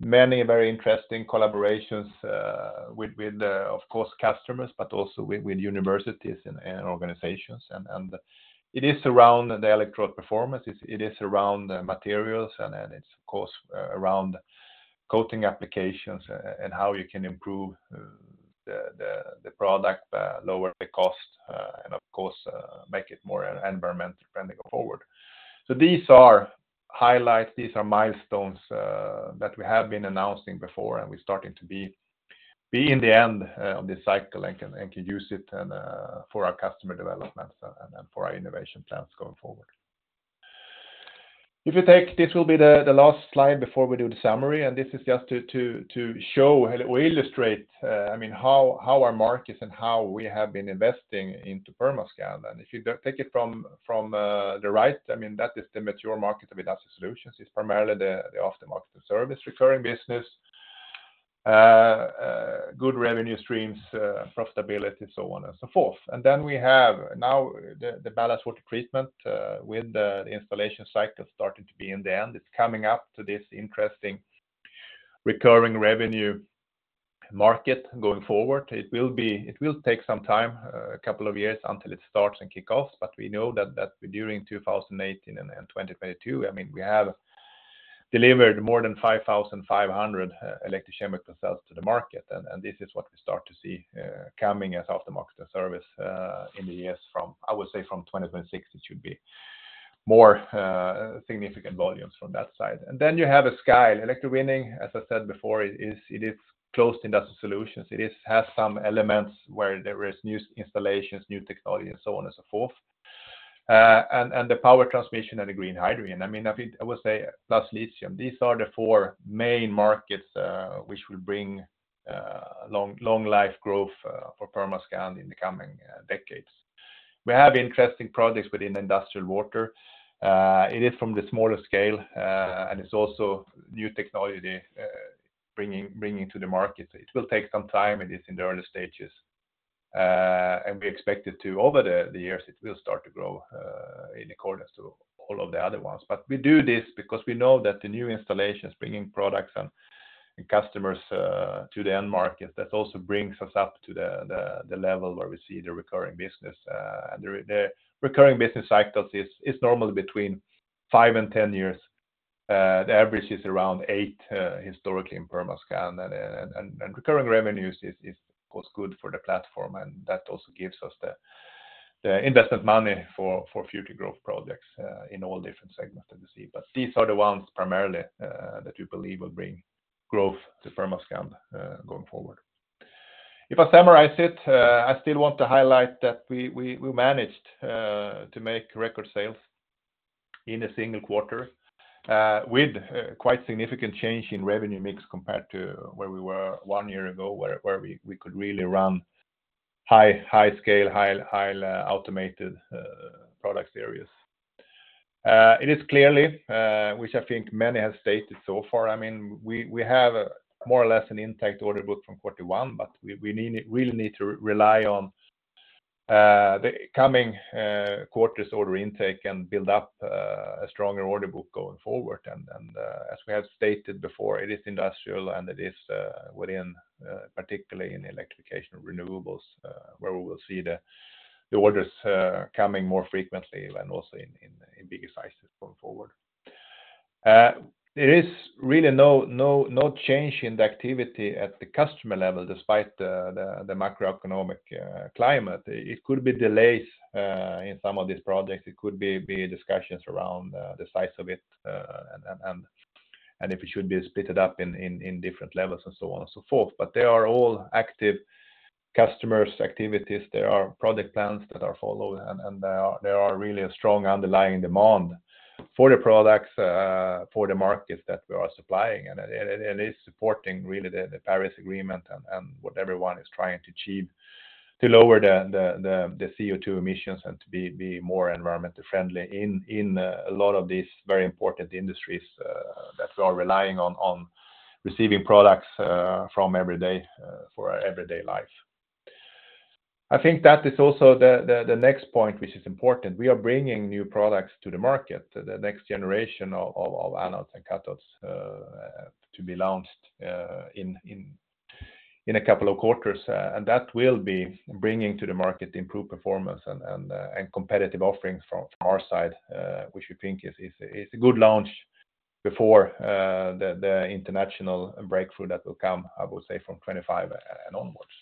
many very interesting collaborations, with, with, of course, customers, but also with, with universities and, and organizations. It is around the electrode performance, it is around the materials, and then it's, of course, around coating applications and how you can improve, the, the, the product, lower the cost, and of course, make it more environment-friendly going forward. These are highlights, these are milestones that we have been announcing before, and we're starting to be, be in the end of this cycle and can, and can use it and for our customer developments and for our innovation plans going forward. If you take this will be the, the last slide before we do the summary, and this is just to, to, to show or illustrate, I mean, how, how our markets and how we have been investing into Permascand. If you don't take it from, from the right, I mean, that is the mature market with Industrial Solutions. It's primarily the, the aftermarket service, recurring business, good revenue streams, profitability, so on and so forth. Then we have now the, the ballast Water Treatment with the installation cycle starting to be in the end. It's coming up to this interesting recurring revenue market going forward. It will take some time, a couple of years, until it starts and kick off, but we know that, that during 2018 and 2022, I mean, we have delivered more than 5,500 electrochemical cells to the market, and this is what we start to see coming as after-market service in the years from, I would say from 2026, it should be more significant volumes from that side. You have a sky electrowinning, as I said before, it is, it is closed Industrial Solutions. It has some elements where there is new installations, new technology, and so on and so forth. The power transmission and the green hydrogen, I mean, I think I would say plus lithium, these are the four main markets, which will bring long, long life growth for Permascand in the coming decades. We have interesting projects within industrial water. It is from the smaller scale, and it's also new technology, bringing, bringing to the market. It will take some time, it is in the early stages, and we expect it to over the years, it will start to grow in accordance to all of the other ones. We do this because we know that the new installations, bringing products and customers to the end market, that also brings us up to the level where we see the recurring business. The, the recurring business cycles is, is normally between 5-10 years. The average is around 8 historically in Permascand, and, and, and recurring revenues is, is, of course, good for the platform, and that also gives us the, the investment money for, for future growth projects in all different segments that you see. These are the ones primarily that we believe will bring growth to Permascand going forward. If I summarize it, I still want to highlight that we, we, we managed to make record sales in a single quarter, with a quite significant change in revenue mix compared to where we were 1 year ago, where, where we, we could really run high, high scale, high, high, automated product areas. It is clearly, which I think many have stated so far, I mean, we, we have more or less an intact order book from Q1, but we, we need, we really need to rely on the coming quarters order intake and build up a stronger order book going forward. As we have stated before, it is industrial and it is within particularly in Electrification and Renewables, where we will see the orders coming more frequently and also in bigger sizes going forward. There is really no change in the activity at the customer level, despite the macroeconomic climate. It could be delays in some of these projects. It could be, be discussions around the size of it, and, and, and, and if it should be splitted up in, in, in different levels, and so on and so forth. They are all active customers, activities. There are product plans that are followed, and, and there are, there are really a strong underlying demand for the products for the markets that we are supplying. It, it is supporting really the, the Paris Agreement and what everyone is trying to achieve to lower the, the, the, the CO2 emissions and to be, be more environmental friendly in a lot of these very important industries that we are relying on, on receiving products from every day for our everyday life. I think that is also the, the, the next point, which is important. We are bringing new products to the market, the next generation of anodes and cathodes, to be launched in a couple of quarters. That will be bringing to the market improved performance and competitive offerings from our side, which we think is a good launch before the international breakthrough that will come, I would say, from 25 and onwards.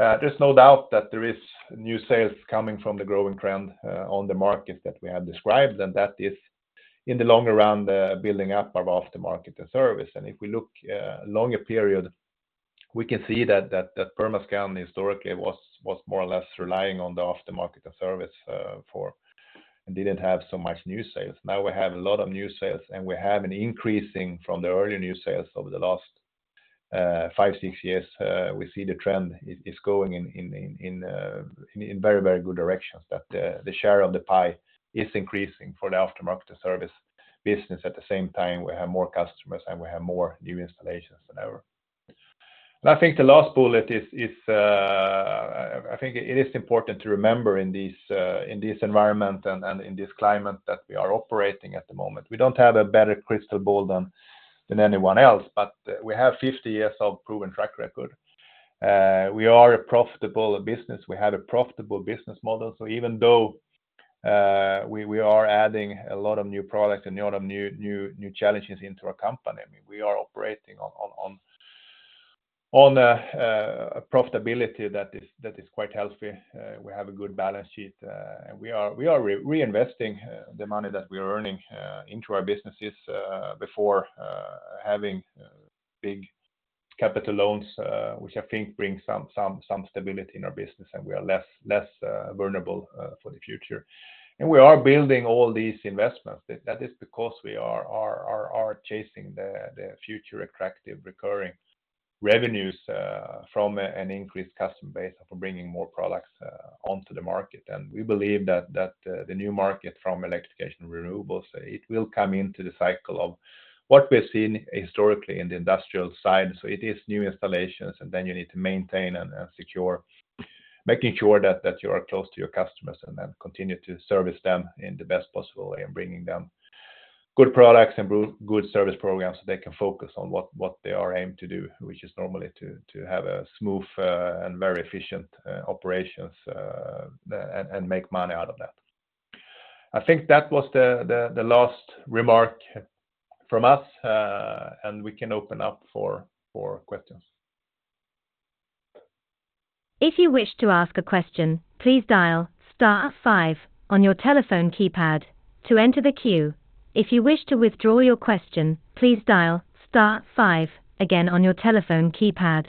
There's no doubt that there is new sales coming from the growing trend on the market that we have described, and that is in the long run, the building up of aftermarket and service. If we look longer period, we can see that Permascand historically was more or less relying on the aftermarket and service for and didn't have so much new sales. We have a lot of new sales, and we have an increasing from the early new sales over the last 5, 6 years. We see the trend is, is going in, in, in, in, in very, very good directions, that the, the share of the pie is increasing for the aftermarket and service business. At the same time, we have more customers, and we have more new installations than ever. I think the last bullet is, is, I, I think it is important to remember in this, in this environment and, and in this climate that we are operating at the moment, we don't have a better crystal ball than, than anyone else, but we have 50 years of proven track record. We are a profitable business. We have a profitable business model, so even though we are adding a lot of new products and a lot of new, new, new challenges into our company, I mean, we are operating on a profitability that is quite healthy. We have a good balance sheet, and we are reinvesting the money that we are earning into our businesses before having big capital loans, which I think brings some stability in our business, and we are less vulnerable for the future. We are building all these investments. That is because we are chasing the future attractive, recurring revenues from an increased customer base for bringing more products onto the market. We believe that, that, the new market from electrification renewables, it will come into the cycle of what we're seeing historically in the industrial side. It is new installations, and then you need to maintain and, and secure, making sure that, that you are close to your customers, and then continue to service them in the best possible way, and bringing them good products and good, good service programs, so they can focus on what, what they are aimed to do, which is normally to, to have a smooth, and very efficient, operations, and, and make money out of that. I think that was the, the, the last remark from us, and we can open up for, for questions. If you wish to ask a question, please dial star five on your telephone keypad to enter the queue. If you wish to withdraw your question, please dial star five again on your telephone keypad.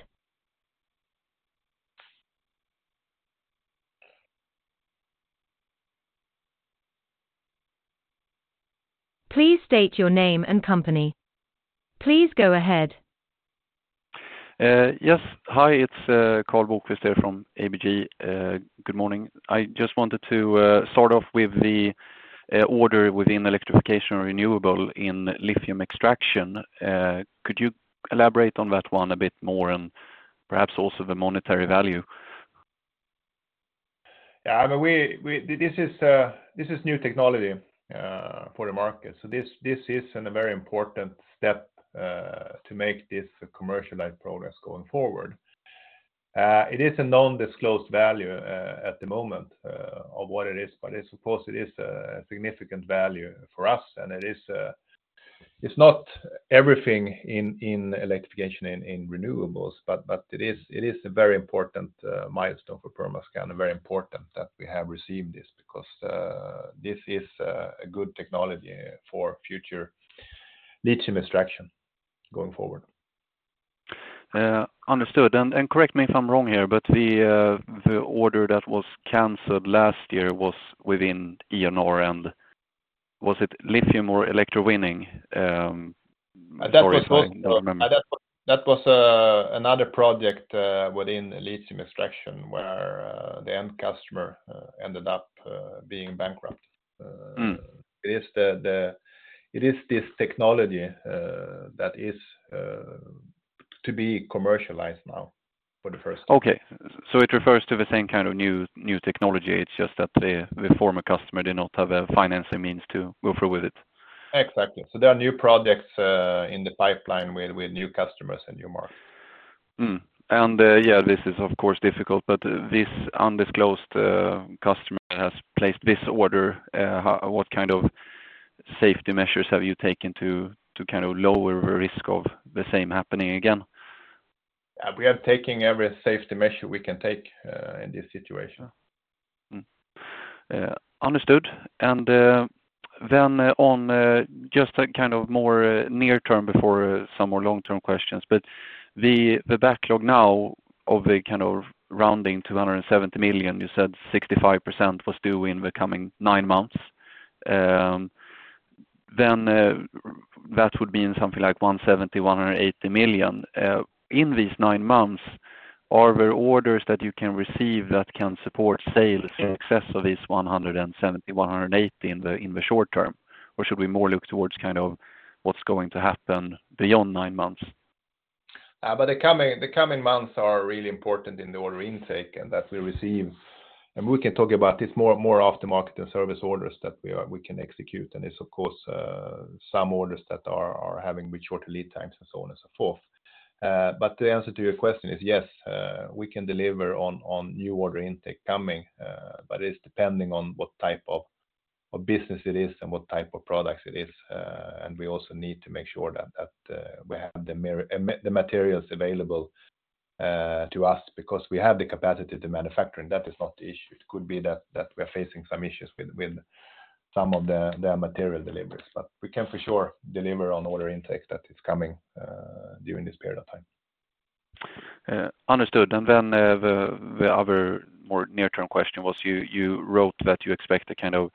Please state your name and company. Please go ahead. Yes. Hi, it's Karl Bokvist here from ABG. Good morning. I just wanted to start off with the order within Electrification and Renewables in lithium extraction. Could you elaborate on that one a bit more and perhaps also the monetary value? Yeah, I mean, we, this is, this is new technology for the market, so this, this is an very important step to make this commercialized progress going forward. It is a non-disclosed value at the moment of what it is, but I suppose it is a significant value for us, and it is, it's not everything in, in Electrification and Renewables, but, but it is, it is a very important milestone for Permascand, and very important that we have received this because, this is a good technology for future lithium extraction going forward. Understood. Correct me if I'm wrong here, but the order that was canceled last year was within Ioneer, and was it lithium or electrowinning? Sorry, I don't remember. That was another project within lithium extraction, where the end customer ended up being bankrupt. Mm. It is this technology that is to be commercialized now for the first time. Okay. It refers to the same kind of new, new technology. It's just that the former customer did not have a financing means to go through with it. Exactly. There are new projects in the pipeline with, with new customers and new market. Yeah, this is, of course, difficult, but this undisclosed customer has placed this order. What kind of safety measures have you taken to kind of lower the risk of the same happening again? We are taking every safety measure we can take, in this situation. Understood. Then on, just a kind of more near term before some more long-term questions, but the backlog now of the kind of rounding 270 million, you said 65% was due in the coming nine months. That would be in something like 170-180 million. In these nine months, are there orders that you can receive that can support sales in excess of this 170-180 in the short term? Or should we more look towards kind of what's going to happen beyond nine months? The coming, the coming months are really important in the order intake and that we receive. We can talk about this more, more aftermarket and service orders that we can execute, and it's of course, some orders that are having much shorter lead times and so on and so forth. The answer to your question is, yes, we can deliver on new order intake coming, but it's depending on what business it is and what type of products it is. We also need to make sure that, that, we have the materials available to us because we have the capacity to manufacture, and that is not the issue. It could be that, that we're facing some issues with, with some of the, the material deliveries, but we can for sure deliver on order intake that is coming during this period of time. Understood. The other more near-term question was you, you wrote that you expect a kind of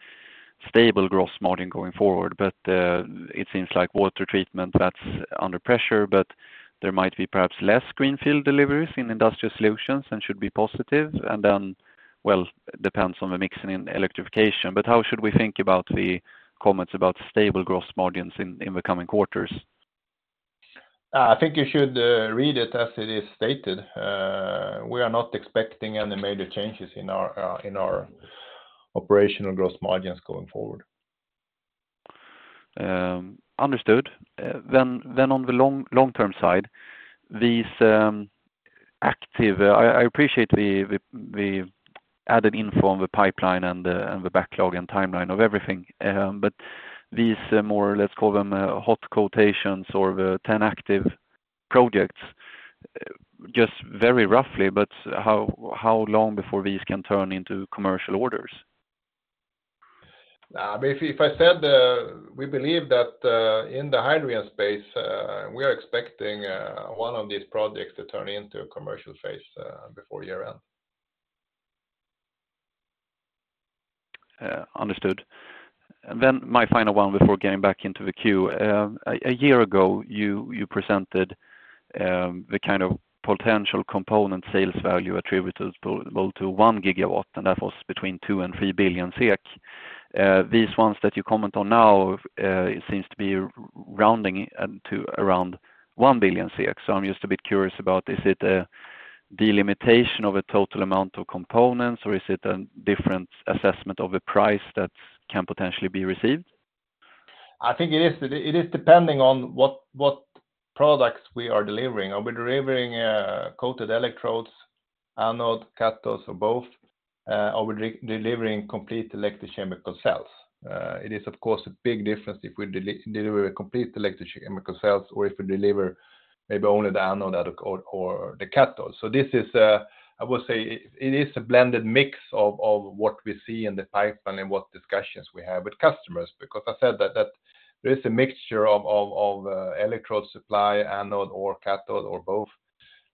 stable gross margin going forward, but it seems like Water Treatment, that's under pressure, but there might be perhaps less greenfield deliveries in Industrial Solutions and should be positive, and then depends on the mixing in electrification. How should we think about the comments about stable gross margins in the coming quarters? I think you should read it as it is stated. We are not expecting any major changes in our in our operational gross margins going forward. Understood. On the long, long-term side, these active... I, I appreciate the, the, the added info on the pipeline and the, and the backlog and timeline of everything, but these more, let's call them, hot quotations or the 10 active projects, just very roughly, but how, how long before these can turn into commercial orders? If, if I said, we believe that in the hydrogen space, we are expecting one of these projects to turn into a commercial phase before year-end. Understood. Then my final one before getting back into the queue. A year ago, you presented the kind of potential component sales value attributable to 1 gigawatt, and that was between 2 billion-3 billion SEK. These ones that you comment on now, it seems to be rounding to around 1 billion. I'm just a bit curious about, is it a delimitation of a total amount of components, or is it a different assessment of the price that can potentially be received? I think it is, it is depending on what, what products we are delivering. Are we delivering coated electrodes, anode, cathodes, or both? Are we delivering complete electrochemical cells? It is, of course, a big difference if we deliver a complete electrochemical cells or if we deliver maybe only the anode or the cathode. This is, I would say it is a blended mix of what we see in the pipeline and what discussions we have with customers, because I said that there is a mixture of electrode supply, anode or cathode or both.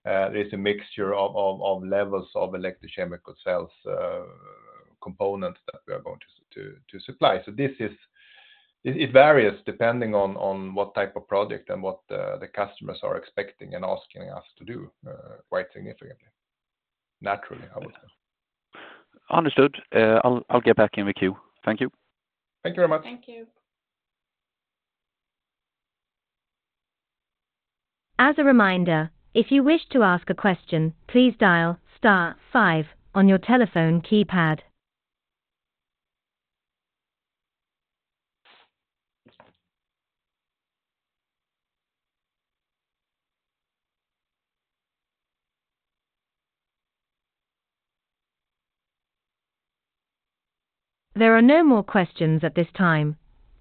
There is a mixture of levels of electrochemical cells components that we are going to supply. It, it varies depending on, on what type of project and what the customers are expecting and asking us to do, quite significantly, naturally, I would say. Understood. I'll get back in the queue. Thank you. Thank you very much. Thank you. As a reminder, if you wish to ask a question, please dial star 5 on your telephone keypad. There are no more questions at this time,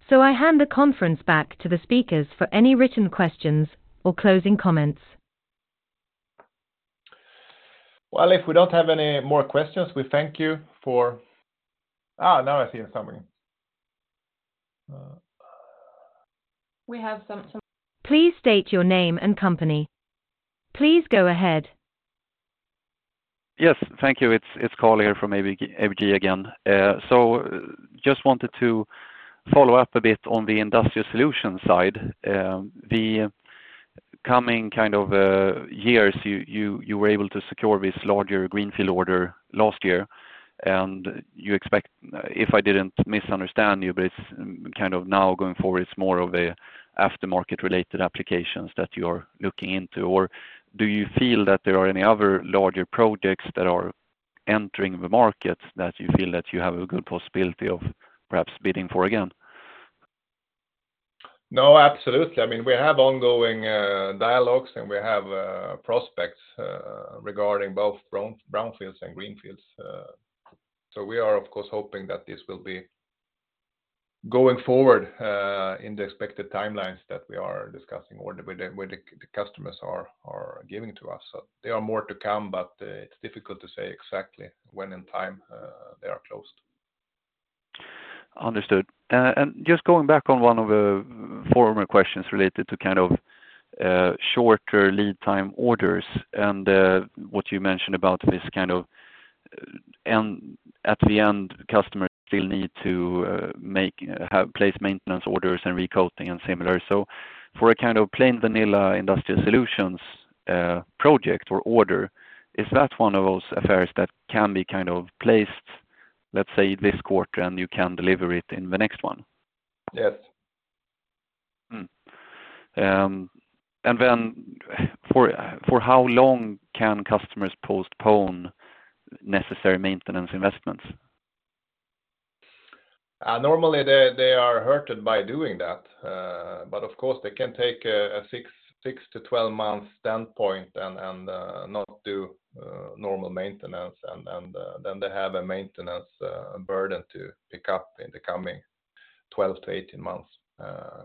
so I hand the conference back to the speakers for any written questions or closing comments. Well, if we don't have any more questions, we thank you for... Ah, now I see something. We have some. Please state your name and company. Please go ahead. Yes, thank you. It's, it's Carl here from AB- ABG again. Just wanted to follow up a bit on the Industrial Solutions side. The coming kind of years, you, you, you were able to secure this larger greenfield order last year, and you expect, if I didn't misunderstand you, but it's kind of now going forward, it's more of a aftermarket related applications that you're looking into. Or do you feel that there are any other larger projects that are entering the market that you feel that you have a good possibility of perhaps bidding for again? No, absolutely. I mean, we have ongoing dialogues, and we have prospects regarding both brownfields and greenfields. We are, of course, hoping that this will be going forward in the expected timelines that we are discussing or the way the customers are giving to us. There are more to come, but it's difficult to say exactly when in time they are closed. Understood. Just going back on one of the former questions related to kind of shorter lead time orders and what you mentioned about this kind of, at the end, customers still need to make, have place maintenance orders and recoating and similar. For a kind of plain vanilla Industrial Solutions project or order, is that one of those affairs that can be kind of placed, let's say, this quarter, and you can deliver it in the next one? Yes. For how long can customers postpone necessary maintenance investments? normally, they, they are hurted by doing that. Of course, they can take a 6-12 month standpoint and not do normal maintenance, and then they have a maintenance burden to pick up in the coming 12-18 months.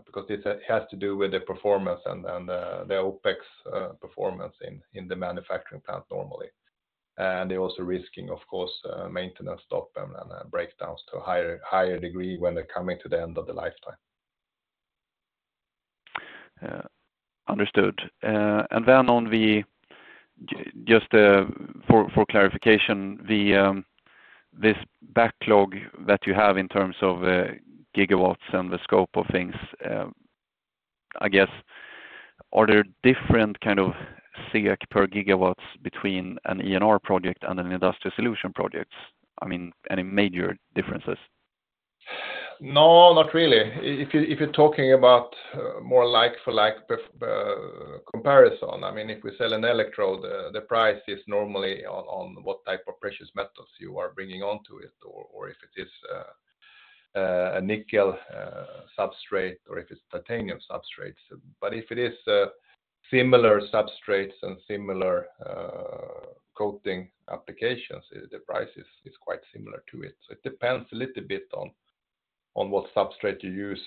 Because it, it has to do with the performance and the OpEx performance in the manufacturing plant normally. They're also risking, of course, maintenance stop and breakdowns to a higher degree when they're coming to the end of the lifetime. Understood. Just for clarification, the backlog that you have in terms of gigawatts and the scope of things, I guess, are there different kind of SEK per gigawatts between an E&R project and an Industrial Solutions project? I mean, any major differences? No, not really. If you, if you're talking about, more like for like, comparison, I mean, if we sell an electrode, the price is normally on, on what type of precious metals you are bringing onto it, or, or if it is, a nickel, substrate, or if it's titanium substrates. If it is, similar substrates and similar, coating applications, the price is, is quite similar to it. It depends a little bit on, on what substrate you use,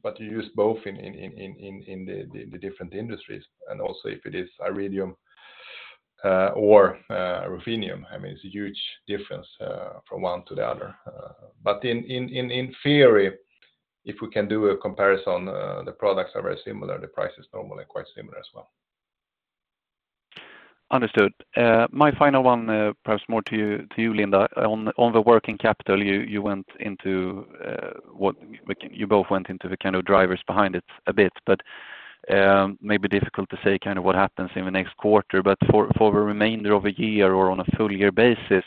but you use both in the different industries, and also if it is iridium, or, ruthenium, I mean, it's a huge difference, from one to the other. In theory, if we can do a comparison, the products are very similar. The price is normally quite similar as well. Understood. My final one, perhaps more to you, to you, Linda, on the, on the working capital, you, you went into, you both went into the kind of drivers behind it a bit, but, maybe difficult to say kind of what happens in the next quarter. For the remainder of the year or on a full year basis,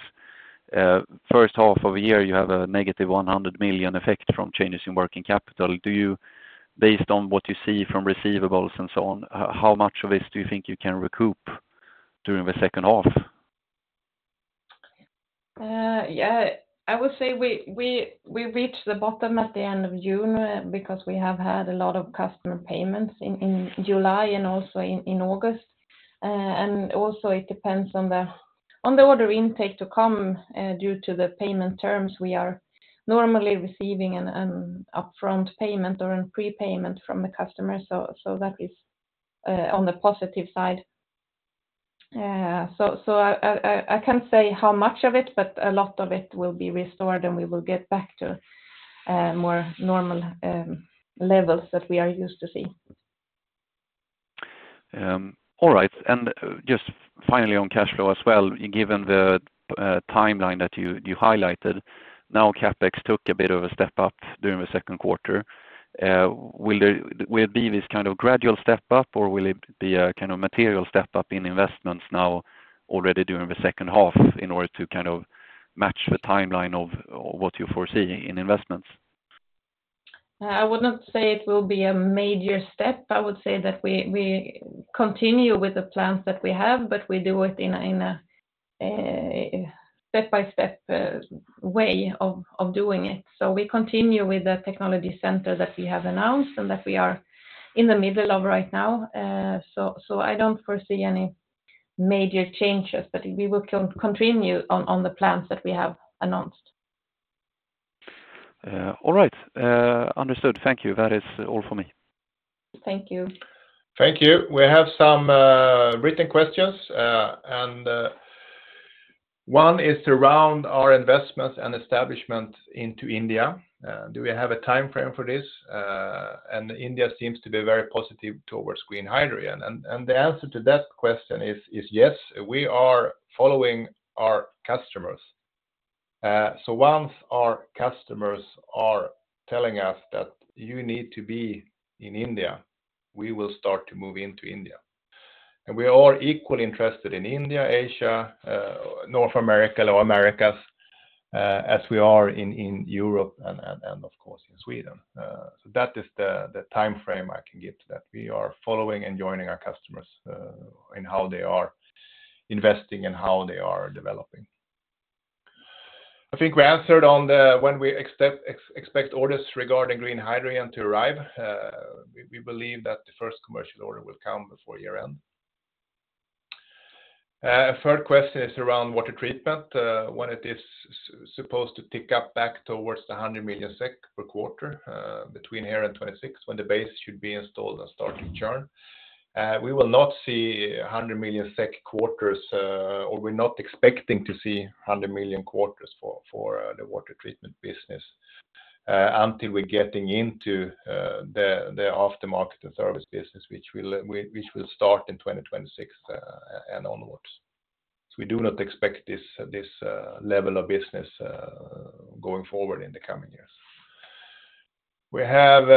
first half of the year, you have a negative 100 million effect from changes in working capital. Do you, based on what you see from receivables and so on, how much of this do you think you can recoup during the second half? Yeah, I would say we, we, we reached the bottom at the end of June, because we have had a lot of customer payments in, in July and also in, in August. Also it depends on the, on the order intake to come, due to the payment terms, we are normally receiving an, an upfront payment or a prepayment from the customer, so, so that is on the positive side. So, so I, I, I can't say how much of it, but a lot of it will be restored, and we will get back to more normal levels that we are used to seeing. All right. Just finally, on cash flow as well, given the timeline that you, you highlighted, now CapEx took a bit of a step up during the second quarter. Will it be this kind of gradual step up, or will it be a kind of material step up in investments now already during the second half in order to kind of match the timeline of what you foresee in investments? I would not say it will be a major step. I would say that we, we continue with the plans that we have, but we do it in a, in a, a step-by-step way of doing it. We continue with the technology center that we have announced and that we are in the middle of right now. I don't foresee any major changes, but we will continue on, on the plans that we have announced. All right. Understood. Thank you. That is all for me. Thank you. Thank you. We have some written questions, and one is around our investments and establishment into India. Do we have a timeframe for this? India seems to be very positive towards green hydrogen. The answer to that question is yes, we are following our customers. Once our customers are telling us that you need to be in India, we will start to move into India. We are all equally interested in India, Asia, North America, or Americas, as we are in Europe and of course, in Sweden. That is the timeframe I can give to that. We are following and joining our customers in how they are investing and how they are developing. I think we answered on when we expect orders regarding green hydrogen to arrive. We, we believe that the first commercial order will come before year-end. Third question is around Water Treatment, when it is supposed to pick up back towards 100 million SEK per quarter, between here and 2026, when the base should be installed and start to churn. We will not see 100 million SEK quarters, or we're not expecting to see 100 million quarters for, for, the Water Treatment business, until we're getting into, the, the aftermarket and service business, which will, which will start in 2026, and onwards. We do not expect this, this, level of business, going forward in the coming years. We have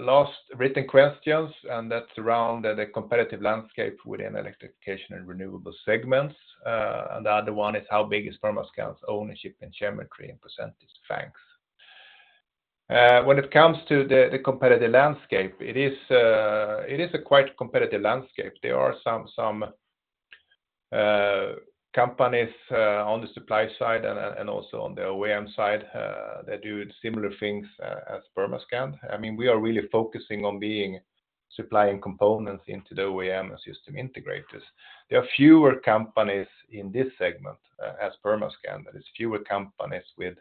last written questions, and that's around the competitive landscape within Electrification and Renewables segments. The other one is: how big is Permascand's ownership in Chemetry in percentage? Thanks. When it comes to the, the competitive landscape, it is a quite competitive landscape. There are some, some companies on the supply side and also on the OEM side that do similar things as Permascand. I mean, we are really focusing on being supplying components into the OEM system integrators. There are fewer companies in this segment as Permascand. There is fewer companies with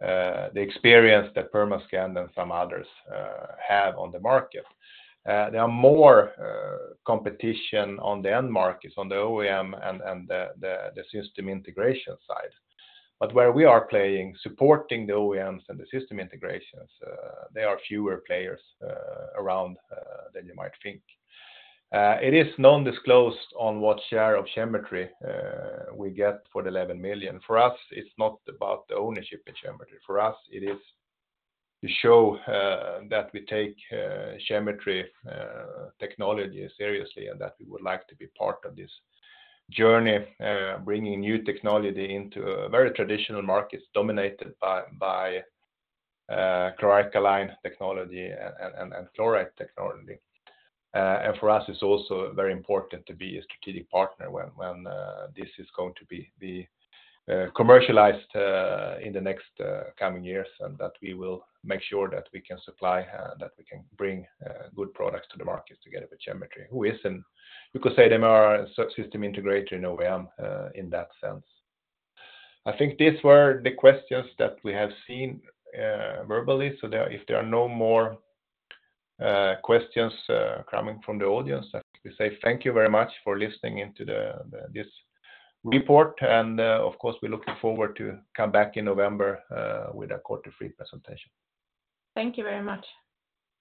the experience that Permascand and some others have on the market. There are more competition on the end markets, on the OEM and the, the, the system integration side. Where we are playing, supporting the OEMs and the system integrations, there are fewer players around than you might think. It is non-disclosed on what share of Chemetry we get for the 11 million. For us, it's not about the ownership in Chemetry. For us, it is to show that we take Chemetry technology seriously and that we would like to be part of this journey, bringing new technology into a very traditional market, dominated by chlor-alkali technology and fluoride technology. For us, it's also very important to be a strategic partner when this is going to be commercialized in the next coming years, and that we will make sure that we can supply that we can bring good products to the market together with Chemetry, who is, and you could say they are our sub system integrator and OEM in that sense. I think these were the questions that we have seen, verbally. There, if there are no more questions coming from the audience, I we say thank you very much for listening into this report. Of course, we're looking forward to come back in November with a quarter three presentation. Thank you very much.